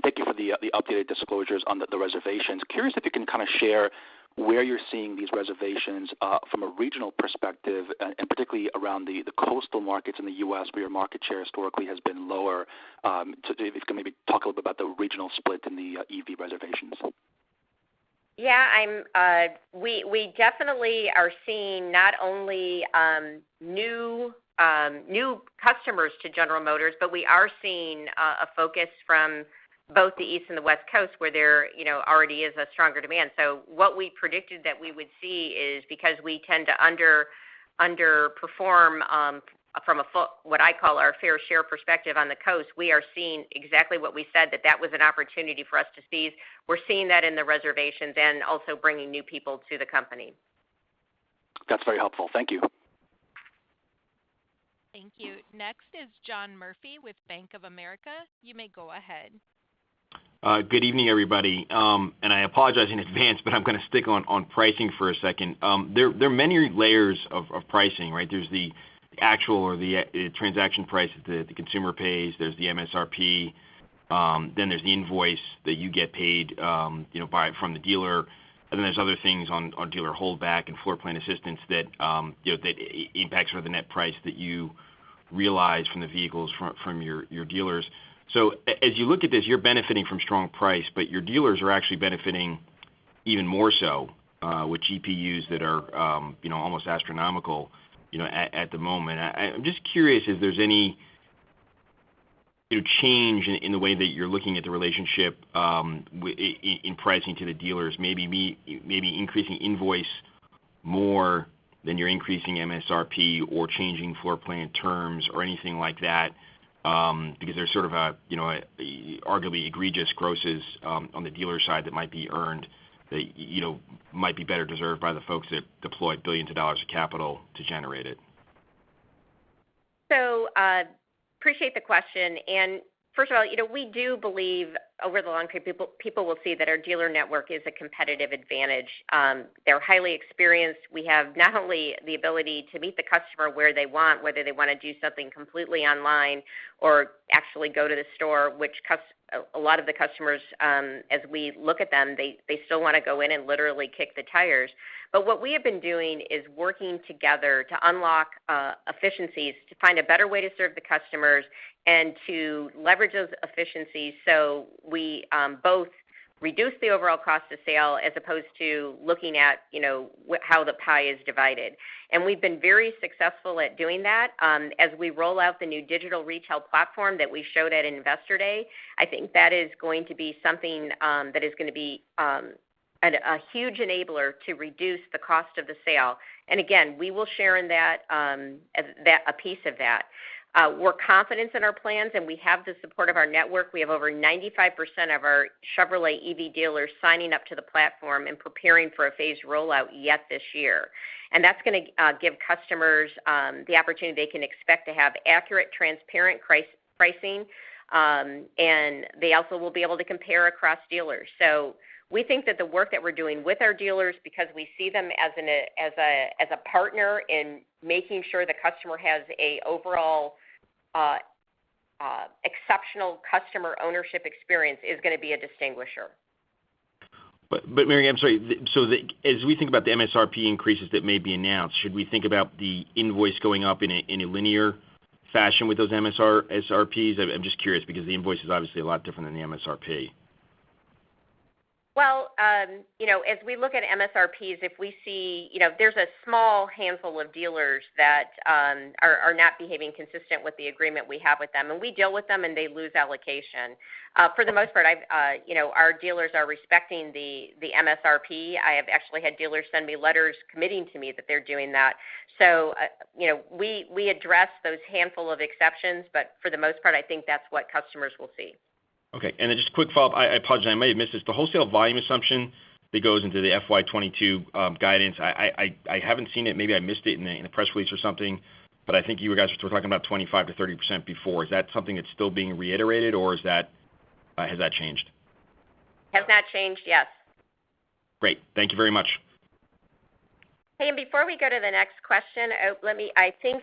[SPEAKER 10] Thank you for the updated disclosures on the reservations. Curious if you can kind of share where you're seeing these reservations from a regional perspective, and particularly around the coastal markets in the U.S., where your market share historically has been lower. If you can maybe talk a little bit about the regional split in the EV reservations.
[SPEAKER 3] Yeah, we definitely are seeing not only new customers to General Motors, but we are seeing a focus from both the East and the West Coast, where there you know already is a stronger demand. What we predicted that we would see is because we tend to underperform from a full, what I call our fair share perspective on the coast, we are seeing exactly what we said, that was an opportunity for us to seize. We're seeing that in the reservations and also bringing new people to the company.
[SPEAKER 10] That's very helpful. Thank you.
[SPEAKER 1] Thank you. Next is John Murphy with Bank of America. You may go ahead.
[SPEAKER 11] Good evening, everybody. I apologize in advance, but I'm gonna stick on pricing for a second. There are many layers of pricing, right? There's the actual or the transaction price that the consumer pays, there's the MSRP, then there's the invoice that you get paid from the dealer. Then there's other things on dealer holdback and floorplan assistance that, you know, that impacts sort of the net price that you realize from the vehicles from your dealers. As you look at this, you're benefiting from strong pricing, but your dealers are actually benefiting even more so with GPUs that are, you know, almost astronomical, you know, at the moment. I'm just curious if there's any change in the way that you're looking at the relationship in pricing to the dealers. Maybe increasing invoice more than you're increasing MSRP or changing floorplan terms or anything like that, because there's sort of a arguably egregious grosses on the dealer side that might be earned that might be better deserved by the folks that deployed billions of dollars of capital to generate it.
[SPEAKER 3] Appreciate the question. First of all, you know, we do believe over the long term, people will see that our dealer network is a competitive advantage. They're highly experienced. We have not only the ability to meet the customer where they want, whether they want to do something completely online or actually go to the store, which a lot of the customers, as we look at them, they still want to go in and literally kick the tires. What we have been doing is working together to unlock efficiencies to find a better way to serve the customers and to leverage those efficiencies so we both reduce the overall cost of sale as opposed to looking at, you know, how the pie is divided. We've been very successful at doing that. As we roll out the new digital retail platform that we showed at Investor Day, I think that is going to be something that is going to be a huge enabler to reduce the cost of the sale. Again, we will share in that a piece of that. We're confident in our plans, and we have the support of our network. We have over 95% of our Chevrolet EV dealers signing up to the platform and preparing for a phased rollout in this year. That's going to give customers the opportunity they can expect to have accurate, transparent pricing, and they also will be able to compare across dealers. We think that the work that we're doing with our dealers because we see them as a partner in making sure the customer has an overall exceptional customer ownership experience is going to be a distinguisher.
[SPEAKER 11] Mary, I'm sorry. As we think about the MSRP increases that may be announced, should we think about the invoice going up in a linear fashion with those MSRPs? I'm just curious because the invoice is obviously a lot different than the MSRP.
[SPEAKER 3] Well, you know, as we look at MSRPs, if we see, you know, there's a small handful of dealers that are not behaving consistently with the agreement we have with them, and we deal with them, and they lose allocation. For the most part, I've, you know, our dealers are respecting the MSRP. I have actually had dealers send me letters committing to me that they're doing that. You know, we address those handful of exceptions, but for the most part, I think that's what customers will see.
[SPEAKER 11] Okay. Just a quick follow-up. I apologize. I may have missed this. The wholesale volume assumption that goes into the FY 2022 guidance, I haven't seen it. Maybe I missed it in the press release or something, but I think you guys were talking about 25%-30% before. Is that something that's still being reiterated, or has that changed?
[SPEAKER 3] Has not changed. Yes.
[SPEAKER 11] Great. Thank you very much.
[SPEAKER 3] Hey, before we go to the next question, let me. I think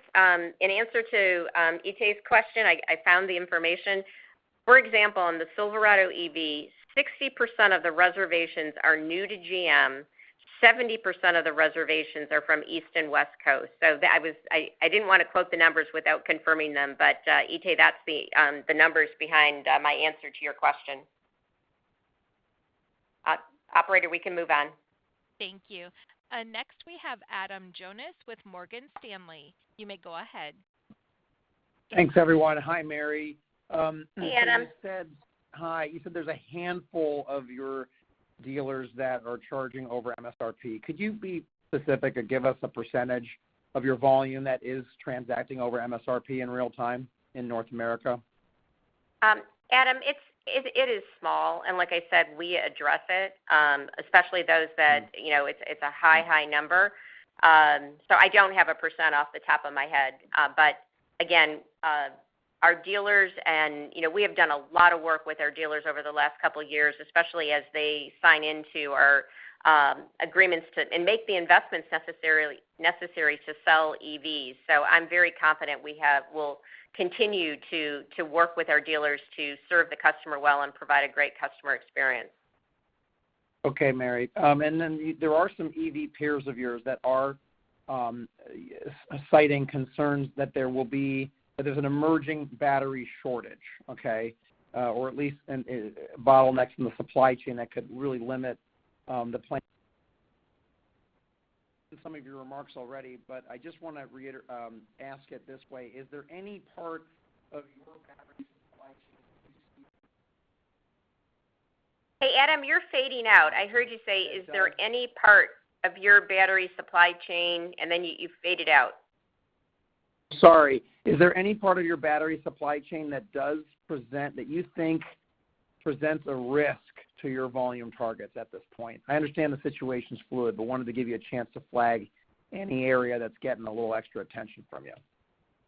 [SPEAKER 3] in answer to Itay's question, I found the information. For example, on the Silverado EV, 60% of the reservations are new to GM. 70% of the reservations are from East and West Coast. I didn't want to quote the numbers without confirming them. But Itay, that's the numbers behind my answer to your question. Operator, we can move on.
[SPEAKER 1] Thank you. Next we have Adam Jonas with Morgan Stanley. You may go ahead.
[SPEAKER 12] Thanks, everyone. Hi, Mary.
[SPEAKER 3] Hey, Adam.
[SPEAKER 12] Hi. You said there's a handful of your dealers that are charging over MSRP. Could you be specific or give us a percentage of your volume that is transacting over MSRP in real time in North America?
[SPEAKER 3] Adam, it is small. Like I said, we address it, especially those that it's a high number. I don't have a percent off the top of my head. But again, our dealers, and we have done a lot of work with our dealers over the last couple of years, especially as they sign into our agreements and make the investments necessary to sell EVs. I'm very confident we'll continue to work with our dealers to serve the customer well and provide a great customer experience.
[SPEAKER 12] Okay, Mary. There are some EV peers of yours that are citing concerns that there's an emerging battery shortage, okay, or at least a bottleneck in the supply chain that could really limit some of your remarks already, but I just want to ask it this way. Is there any part of your battery supply chain?
[SPEAKER 3] Hey, Adam, you're fading out. I heard you say, "Is there any part of your battery supply chain," and then you faded out.
[SPEAKER 12] Sorry. Is there any part of your battery supply chain that you think presents a risk to your volume targets at this point? I understand the situation is fluid, but wanted to give you a chance to flag any area that's getting a little extra attention from you.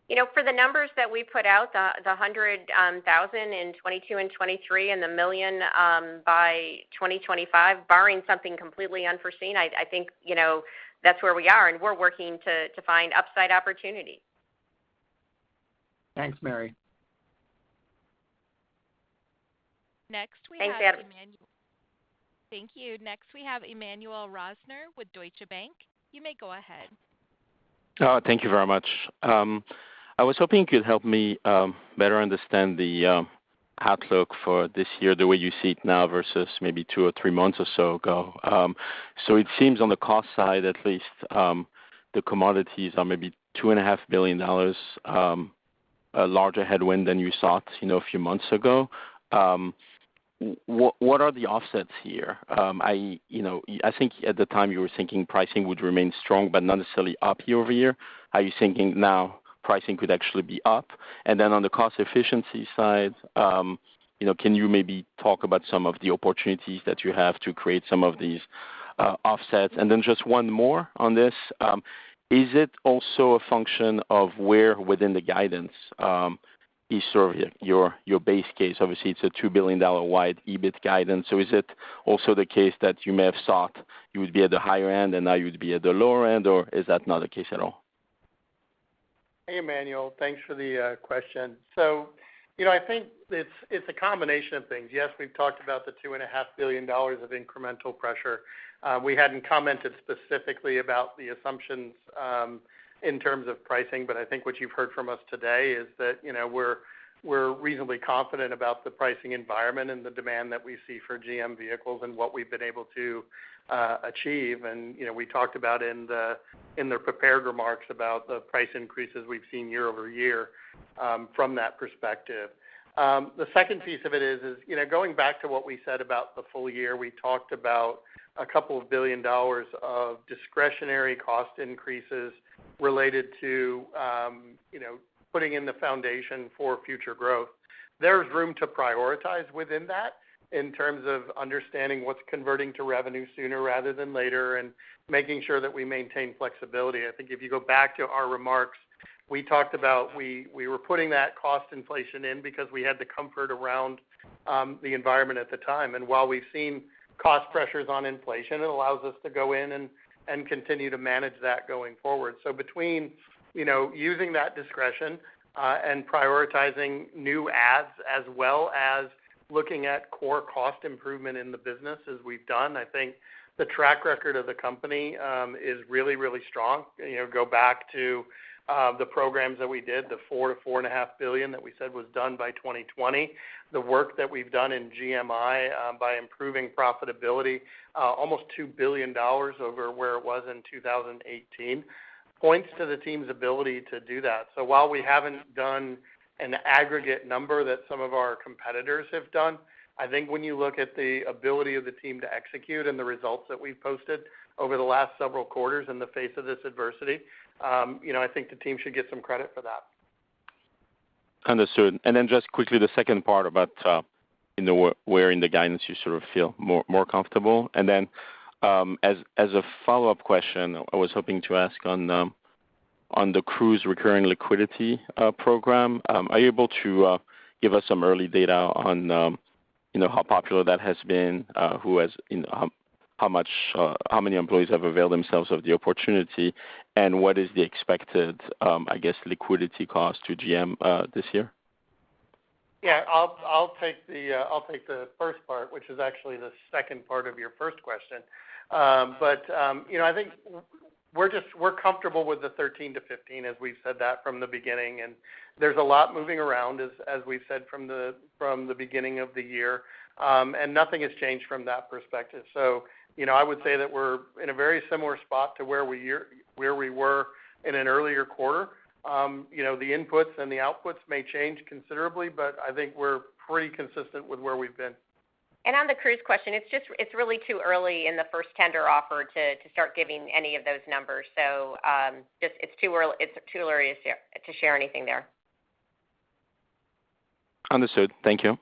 [SPEAKER 3] You know, for the numbers that we put out, the 100,000 in 2022 and 2023 and the 1 million by 2025, barring something completely unforeseen, I think, you know, that's where we are, and we're working to find upside opportunity.
[SPEAKER 12] Thanks, Mary.
[SPEAKER 1] Next we have Emmanuel
[SPEAKER 3] Thanks, Adam.
[SPEAKER 1] Thank you. Next, we have Emmanuel Rosner with Deutsche Bank. You may go ahead.
[SPEAKER 13] Thank you very much. I was hoping you'd help me better understand the outlook for this year, the way you see it now versus maybe two or three months or so ago. It seems on the cost side at least, the commodities are maybe $2.5 billion a larger headwind than you saw, you know, a few months ago. What are the offsets here? You know, I think at the time you were thinking pricing would remain strong but not necessarily up year-over-year. Are you thinking now pricing could actually be up? On the cost efficiency side, you know, can you maybe talk about some of the opportunities that you have to create some of these offsets? Then just one more on this, is it also a function of where within the guidance, is sort of your base case? Obviously, it's a $2 billion wide EBIT guidance. Is it also the case that you may have thought you would be at the higher end, and now you'd be at the lower end, or is that not the case at all?
[SPEAKER 4] Hey, Emmanuel. Thanks for the question. So, you know, I think it's a combination of things. Yes, we've talked about the $2.5 billion of incremental pressure. We hadn't commented specifically about the assumptions in terms of pricing, but I think what you've heard from us today is that, you know, we're reasonably confident about the pricing environment and the demand that we see for GM vehicles and what we've been able to achieve. You know, we talked about in the prepared remarks about the price increases we've seen year-over-year from that perspective. The second piece of it is, you know, going back to what we said about the full year, we talked about a couple of billion dollars of discretionary cost increases related to, you know, putting in the foundation for future growth. There's room to prioritize within that in terms of understanding what's converting to revenue sooner rather than later and making sure that we maintain flexibility. I think if you go back to our remarks, we talked about we were putting that cost inflation in because we had the comfort around the environment at the time. While we've seen cost pressures on inflation, it allows us to go in and continue to manage that going forward. Between, you know, using that discretion, and prioritizing new adds as well as looking at core cost improvement in the business as we've done, I think the track record of the company is really, really strong. You know, go back to, the programs that we did, the $4 billion-$4.5 billion that we said was done by 2020. The work that we've done in GMI, by improving profitability, almost $2 billion over where it was in 2018 points to the team's ability to do that. While we haven't done an aggregate number that some of our competitors have done, I think when you look at the ability of the team to execute and the results that we've posted over the last several quarters in the face of this adversity, you know, I think the team should get some credit for that.
[SPEAKER 13] Understood. Then just quickly, the second part about where in the guidance you sort of feel more comfortable. As a follow-up question, I was hoping to ask on the Cruise recurring liquidity program, are you able to give us some early data on how popular that has been, how many employees have availed themselves of the opportunity, and what is the expected, I guess, liquidity cost to GM this year?
[SPEAKER 4] Yeah. I'll take the first part, which is actually the second part of your first question. You know, I think we're comfortable with the 13-15, as we've said that from the beginning. There's a lot moving around, as we've said from the beginning of the year. Nothing has changed from that perspective. You know, I would say that we're in a very similar spot to where we were in an earlier quarter. You know, the inputs and the outputs may change considerably, but I think we're pretty consistent with where we've been.
[SPEAKER 3] On the Cruise question, it's just really too early in the first tender offer to start giving any of those numbers. It's too early to share anything there.
[SPEAKER 13] Understood. Thank you.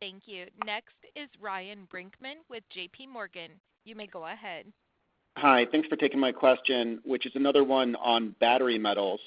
[SPEAKER 1] Thank you. Next is Ryan Brinkman with JPMorgan. You may go ahead.
[SPEAKER 14] Hi. Thanks for taking my question, which is another one on battery metals.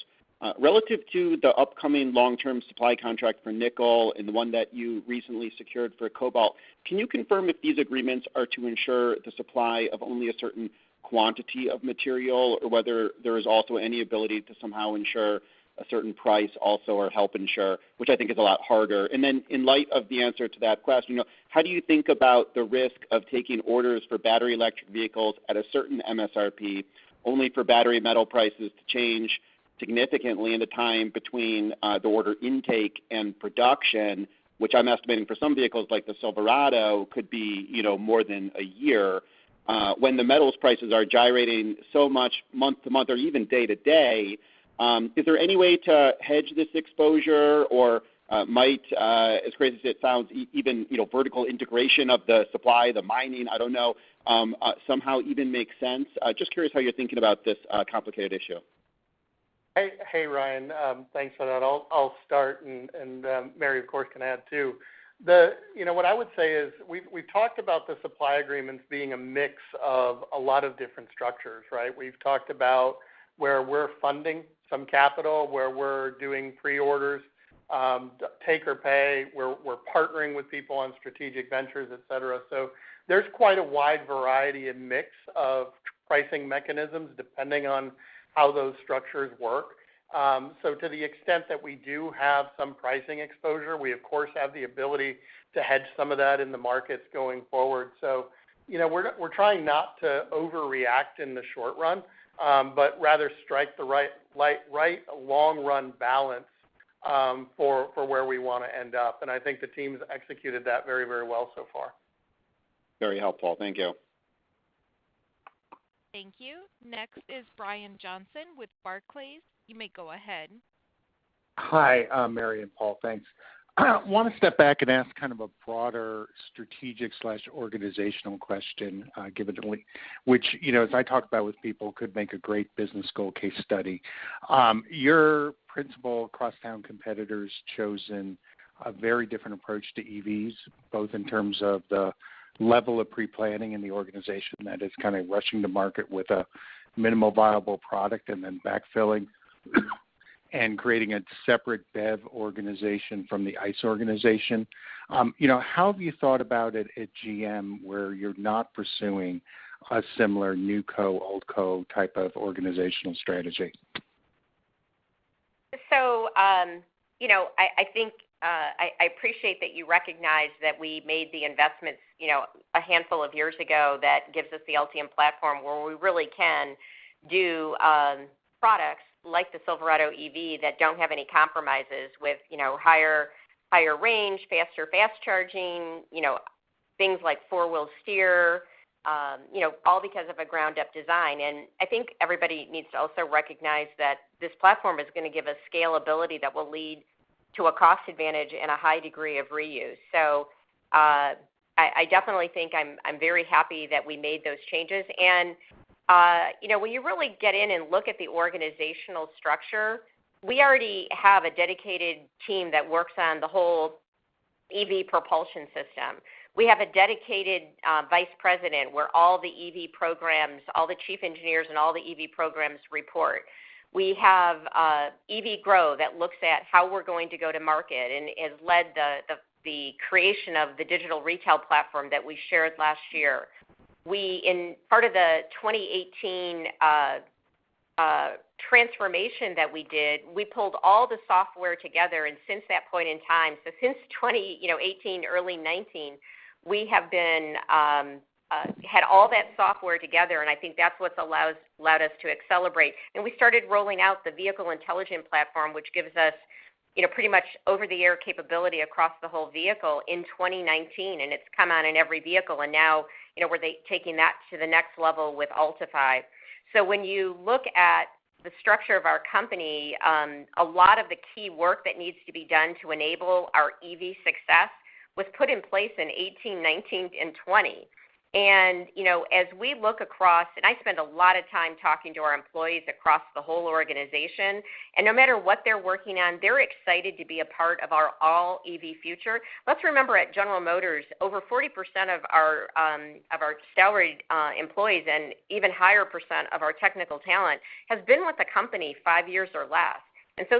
[SPEAKER 14] Relative to the upcoming long-term supply contract for nickel and the one that you recently secured for cobalt, can you confirm if these agreements are to ensure the supply of only a certain quantity of material, or whether there is also any ability to somehow ensure a certain price also, or help ensure, which I think is a lot harder? In light of the answer to that question, you know, how do you think about the risk of taking orders for battery electric vehicles at a certain MSRP, only for battery metal prices to change significantly in the time between the order intake and production, which I'm estimating for some vehicles, like the Silverado, could be, you know, more than a year, when the metals prices are gyrating so much month to month or even day to day, is there any way to hedge this exposure or, might, as crazy as it sounds, even, you know, vertical integration of the supply, the mining, I don't know, somehow even make sense? Just curious how you're thinking about this, complicated issue.
[SPEAKER 4] Hey, Ryan. Thanks for that. I'll start and Mary, of course, can add too. You know, what I would say is we've talked about the supply agreements being a mix of a lot of different structures, right? We've talked about where we're funding some capital, where we're doing pre-orders, take or pay. We're partnering with people on strategic ventures, et cetera. There's quite a wide variety and mix of pricing mechanisms depending on how those structures work. To the extent that we do have some pricing exposure, we of course have the ability to hedge some of that in the markets going forward. You know, we're not. We're trying not to overreact in the short run, but rather strike the right long-run balance for where we wanna end up. I think the team's executed that very, very well so far.
[SPEAKER 14] Very helpful. Thank you.
[SPEAKER 1] Thank you. Next is Brian Johnson with Barclays. You may go ahead.
[SPEAKER 15] Hi, Mary and Paul, thanks. I wanna step back and ask kind of a broader strategic/organizational question, given to me, which, you know, as I talk about with people could make a great business school case study. Your principal crosstown competitor's chosen a very different approach to EVs, both in terms of the level of pre-planning in the organization that is kind of rushing to market with a minimal viable product and then backfilling and creating a separate dev organization from the ICE organization. You know, how have you thought about it at GM where you're not pursuing a similar new co, old co type of organizational strategy?
[SPEAKER 3] I think I appreciate that you recognize that we made the investments, you know, a handful of years ago that gives us the Ultium platform where we really can do products like the Silverado EV that don't have any compromises with, you know, higher range, faster charging, you know, things like four-wheel steer, you know, all because of a ground up design. I think everybody needs to also recognize that this platform is gonna give us scalability that will lead to a cost advantage and a high degree of reuse. I definitely think I'm very happy that we made those changes. You know, when you really get in and look at the organizational structure, we already have a dedicated team that works on the whole EV propulsion system. We have a dedicated vice president where all the EV programs, all the chief engineers and all the EV programs report. We have EV Growth that looks at how we're going to go to market and has led the creation of the digital retail platform that we shared last year. We, as part of the 2018 transformation that we did, pulled all the software together. Since that point in time, so since 2018, early 2019, we have had all that software together, and I think that's what allows us to accelerate. We started rolling out the Vehicle Intelligence Platform, which gives us, you know, pretty much over-the-air capability across the whole vehicle in 2019, and it's come out in every vehicle. Now, you know, we're taking that to the next level with Ultifi. When you look at the structure of our company, a lot of the key work that needs to be done to enable our EV success was put in place in 2018, 2019, and 2020. You know, as we look across, and I spend a lot of time talking to our employees across the whole organization, and no matter what they're working on, they're excited to be a part of our all EV future. Let's remember at General Motors, over 40% of our of our salaried employees and even higher percent of our technical talent has been with the company five years or less.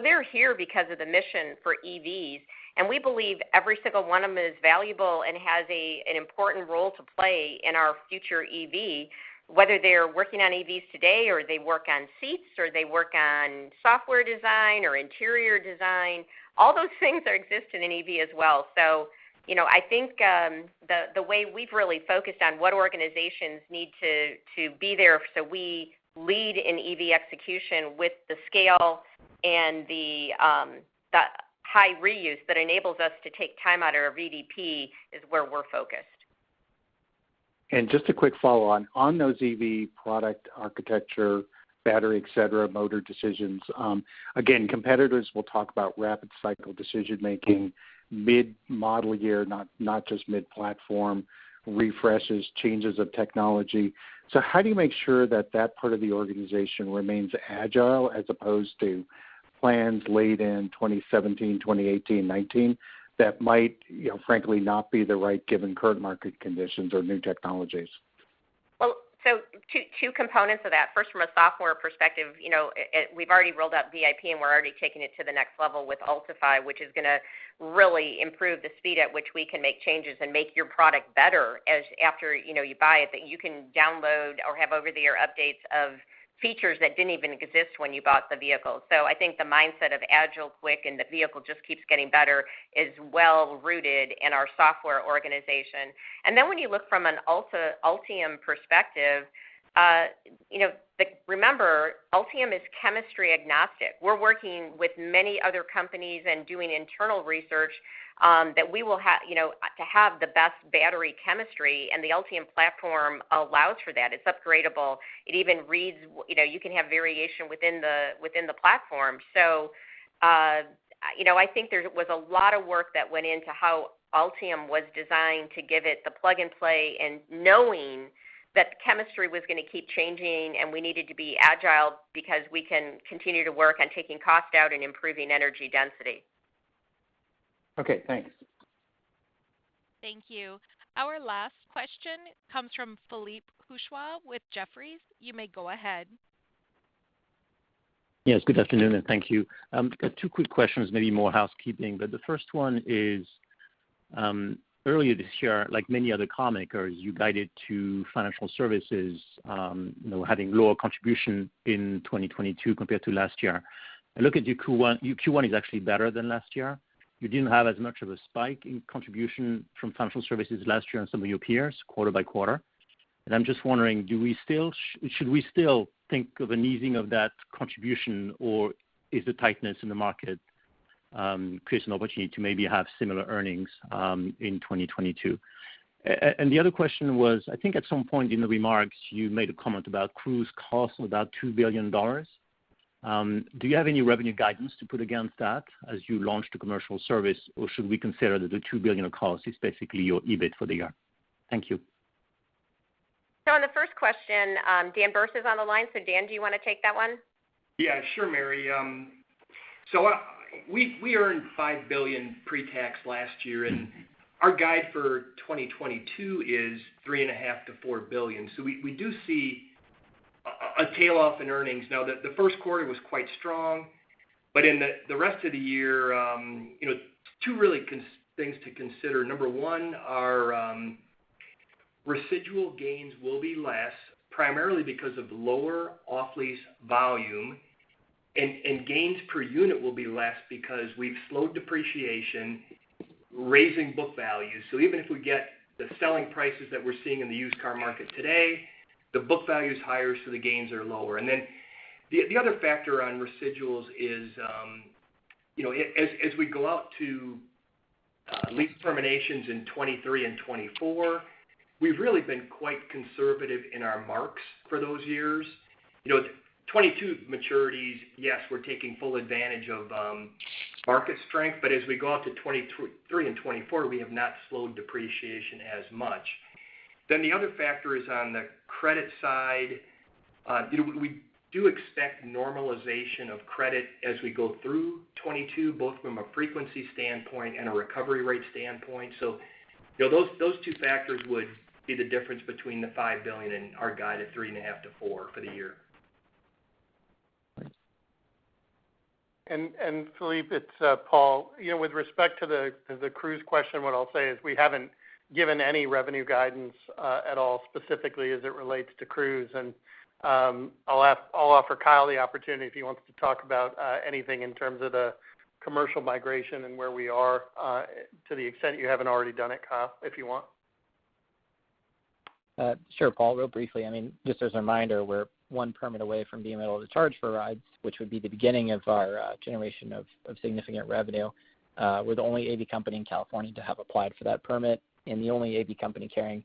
[SPEAKER 3] They're here because of the mission for EVs, and we believe every single one of them is valuable and has an important role to play in our future EV, whether they're working on EVs today or they work on seats or they work on software design or interior design. All those things are existing in EV as well. You know, I think the way we've really focused on what organizations need to be there so we lead in EV execution with the scale and the high reuse that enables us to take time out of our VDP is where we're focused.
[SPEAKER 15] Just a quick follow-on. On those EV product architecture, battery, et cetera, motor decisions, again, competitors will talk about rapid cycle decision-making, mid-model year, not just mid-platform refreshes, changes of technology. How do you make sure that that part of the organization remains agile as opposed to plans laid in 2017, 2018, 2019 that might, you know, frankly not be the right given current market conditions or new technologies?
[SPEAKER 3] Two components of that. First, from a software perspective, you know, we've already rolled out VIP, and we're already taking it to the next level with Ultifi, which is gonna really improve the speed at which we can make changes and make your product better as after, you know, you buy it, that you can download or have over the air updates of features that didn't even exist when you bought the vehicle. I think the mindset of agile, quick, and the vehicle just keeps getting better is well rooted in our software organization. When you look from an Ultium perspective, you know, remember, Ultium is chemistry agnostic. We're working with many other companies and doing internal research that we will have, you know, to have the best battery chemistry, and the Ultium platform allows for that. It's upgradable. It even reads, you know, you can have variation within the platform. You know, I think there was a lot of work that went into how Ultium was designed to give it the plug and play and knowing that the chemistry was gonna keep changing and we needed to be agile because we can continue to work on taking cost out and improving energy density.
[SPEAKER 15] Okay, thanks.
[SPEAKER 1] Thank you. Our last question comes from Philippe Houchois with Jefferies. You may go ahead.
[SPEAKER 16] Yes, good afternoon, and thank you. Got two quick questions, maybe more housekeeping. The first one is, earlier this year, like many other carmakers, you guided to financial services, you know, having lower contribution in 2022 compared to last year. I look at your Q1, your Q1 is actually better than last year. You didn't have as much of a spike in contribution from financial services last year and some of your peers quarter by quarter. I'm just wondering, do we still should we still think of an easing of that contribution, or is the tightness in the market creates an opportunity to maybe have similar earnings in 2022? The other question was, I think at some point in the remarks, you made a comment about Cruise costs about $2 billion. Do you have any revenue guidance to put against that as you launch the commercial service, or should we consider the $2 billion of costs is basically your EBIT for the year? Thank you.
[SPEAKER 3] On the first question, Dan Berce is on the line. Dan, do you wanna take that one?
[SPEAKER 17] Yeah, sure, Mary. We earned $5 billion pre-tax last year, and our guide for 2022 is $3.5 billion-$4 billion. We do see a tailoff in earnings. Now the first quarter was quite strong, but in the rest of the year, two really things to consider. Number one, our residual gains will be less, primarily because of lower off-lease volume. Gains per unit will be less because we've slowed depreciation, raising book value. Even if we get the selling prices that we're seeing in the used car market today, the book value is higher, so the gains are lower. The other factor on residuals is, you know, as we go out to lease terminations in 2023 and 2024, we've really been quite conservative in our marks for those years. You know, 2022 maturities, yes, we're taking full advantage of market strength, but as we go out to 2023 and 2024, we have not slowed depreciation as much. The other factor is on the credit side, you know, we do expect normalization of credit as we go through 2022, both from a frequency standpoint and a recovery rate standpoint. You know, those two factors would be the difference between the $5 billion and our guide of $3.5 billion-$4 billion for the year.
[SPEAKER 16] Thanks.
[SPEAKER 4] Philippe, it's Paul. You know, with respect to the Cruise question, what I'll say is we haven't given any revenue guidance at all specifically as it relates to Cruise. I'll offer Kyle the opportunity if he wants to talk about anything in terms of the commercial migration and where we are to the extent you haven't already done it, Kyle, if you want.
[SPEAKER 9] Sure, Paul. Real briefly, I mean, just as a reminder, we're one permit away from being able to charge for rides, which would be the beginning of our generation of significant revenue. We're the only AV company in California to have applied for that permit and the only AV company carrying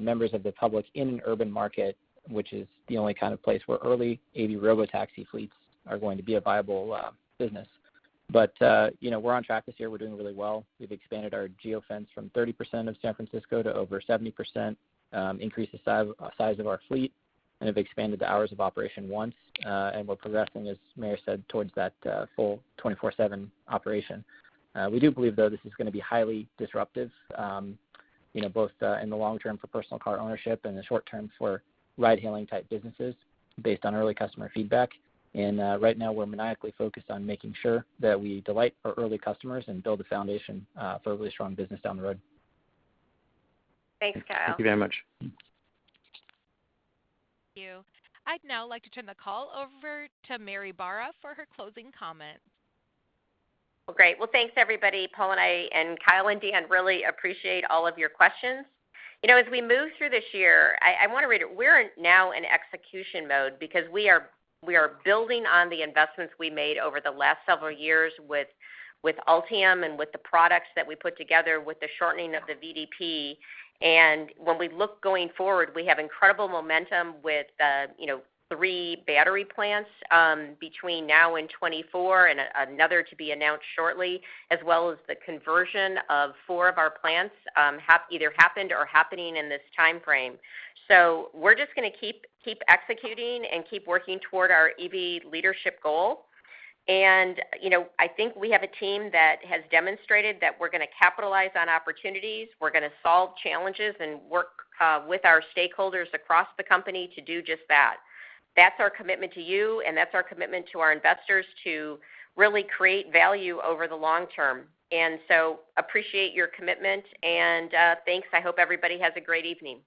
[SPEAKER 9] members of the public in an urban market, which is the only kind of place where early AV robotaxi fleets are going to be a viable business. You know, we're on track this year. We're doing really well. We've expanded our geofence from 30% of San Francisco to over 70%, increased the size of our fleet, and have expanded the hours of operation once, and we're progressing, as Mary said, towards that full 24/7 operation. We do believe, though, this is gonna be highly disruptive, you know, both in the long term for personal car ownership and the short term for ride-hailing type businesses based on early customer feedback. Right now we're maniacally focused on making sure that we delight our early customers and build a foundation for a really strong business down the road.
[SPEAKER 3] Thanks, Kyle.
[SPEAKER 16] Thank you very much.
[SPEAKER 1] Thank you. I'd now like to turn the call over to Mary Barra for her closing comments.
[SPEAKER 3] Well, great. Well, thanks everybody. Paul and I and Kyle and Dan really appreciate all of your questions. You know, as we move through this year, we're now in execution mode because we are building on the investments we made over the last several years with Ultium and with the products that we put together with the shortening of the VDP. When we look going forward, we have incredible momentum with you know three battery plants between now and 2024 and another to be announced shortly, as well as the conversion of four of our plants either happened or happening in this timeframe. We're just gonna keep executing and keep working toward our EV leadership goal. You know, I think we have a team that has demonstrated that we're gonna capitalize on opportunities. We're gonna solve challenges and work with our stakeholders across the company to do just that. That's our commitment to you, and that's our commitment to our investors to really create value over the long term. I appreciate your commitment and thanks. I hope everybody has a great evening.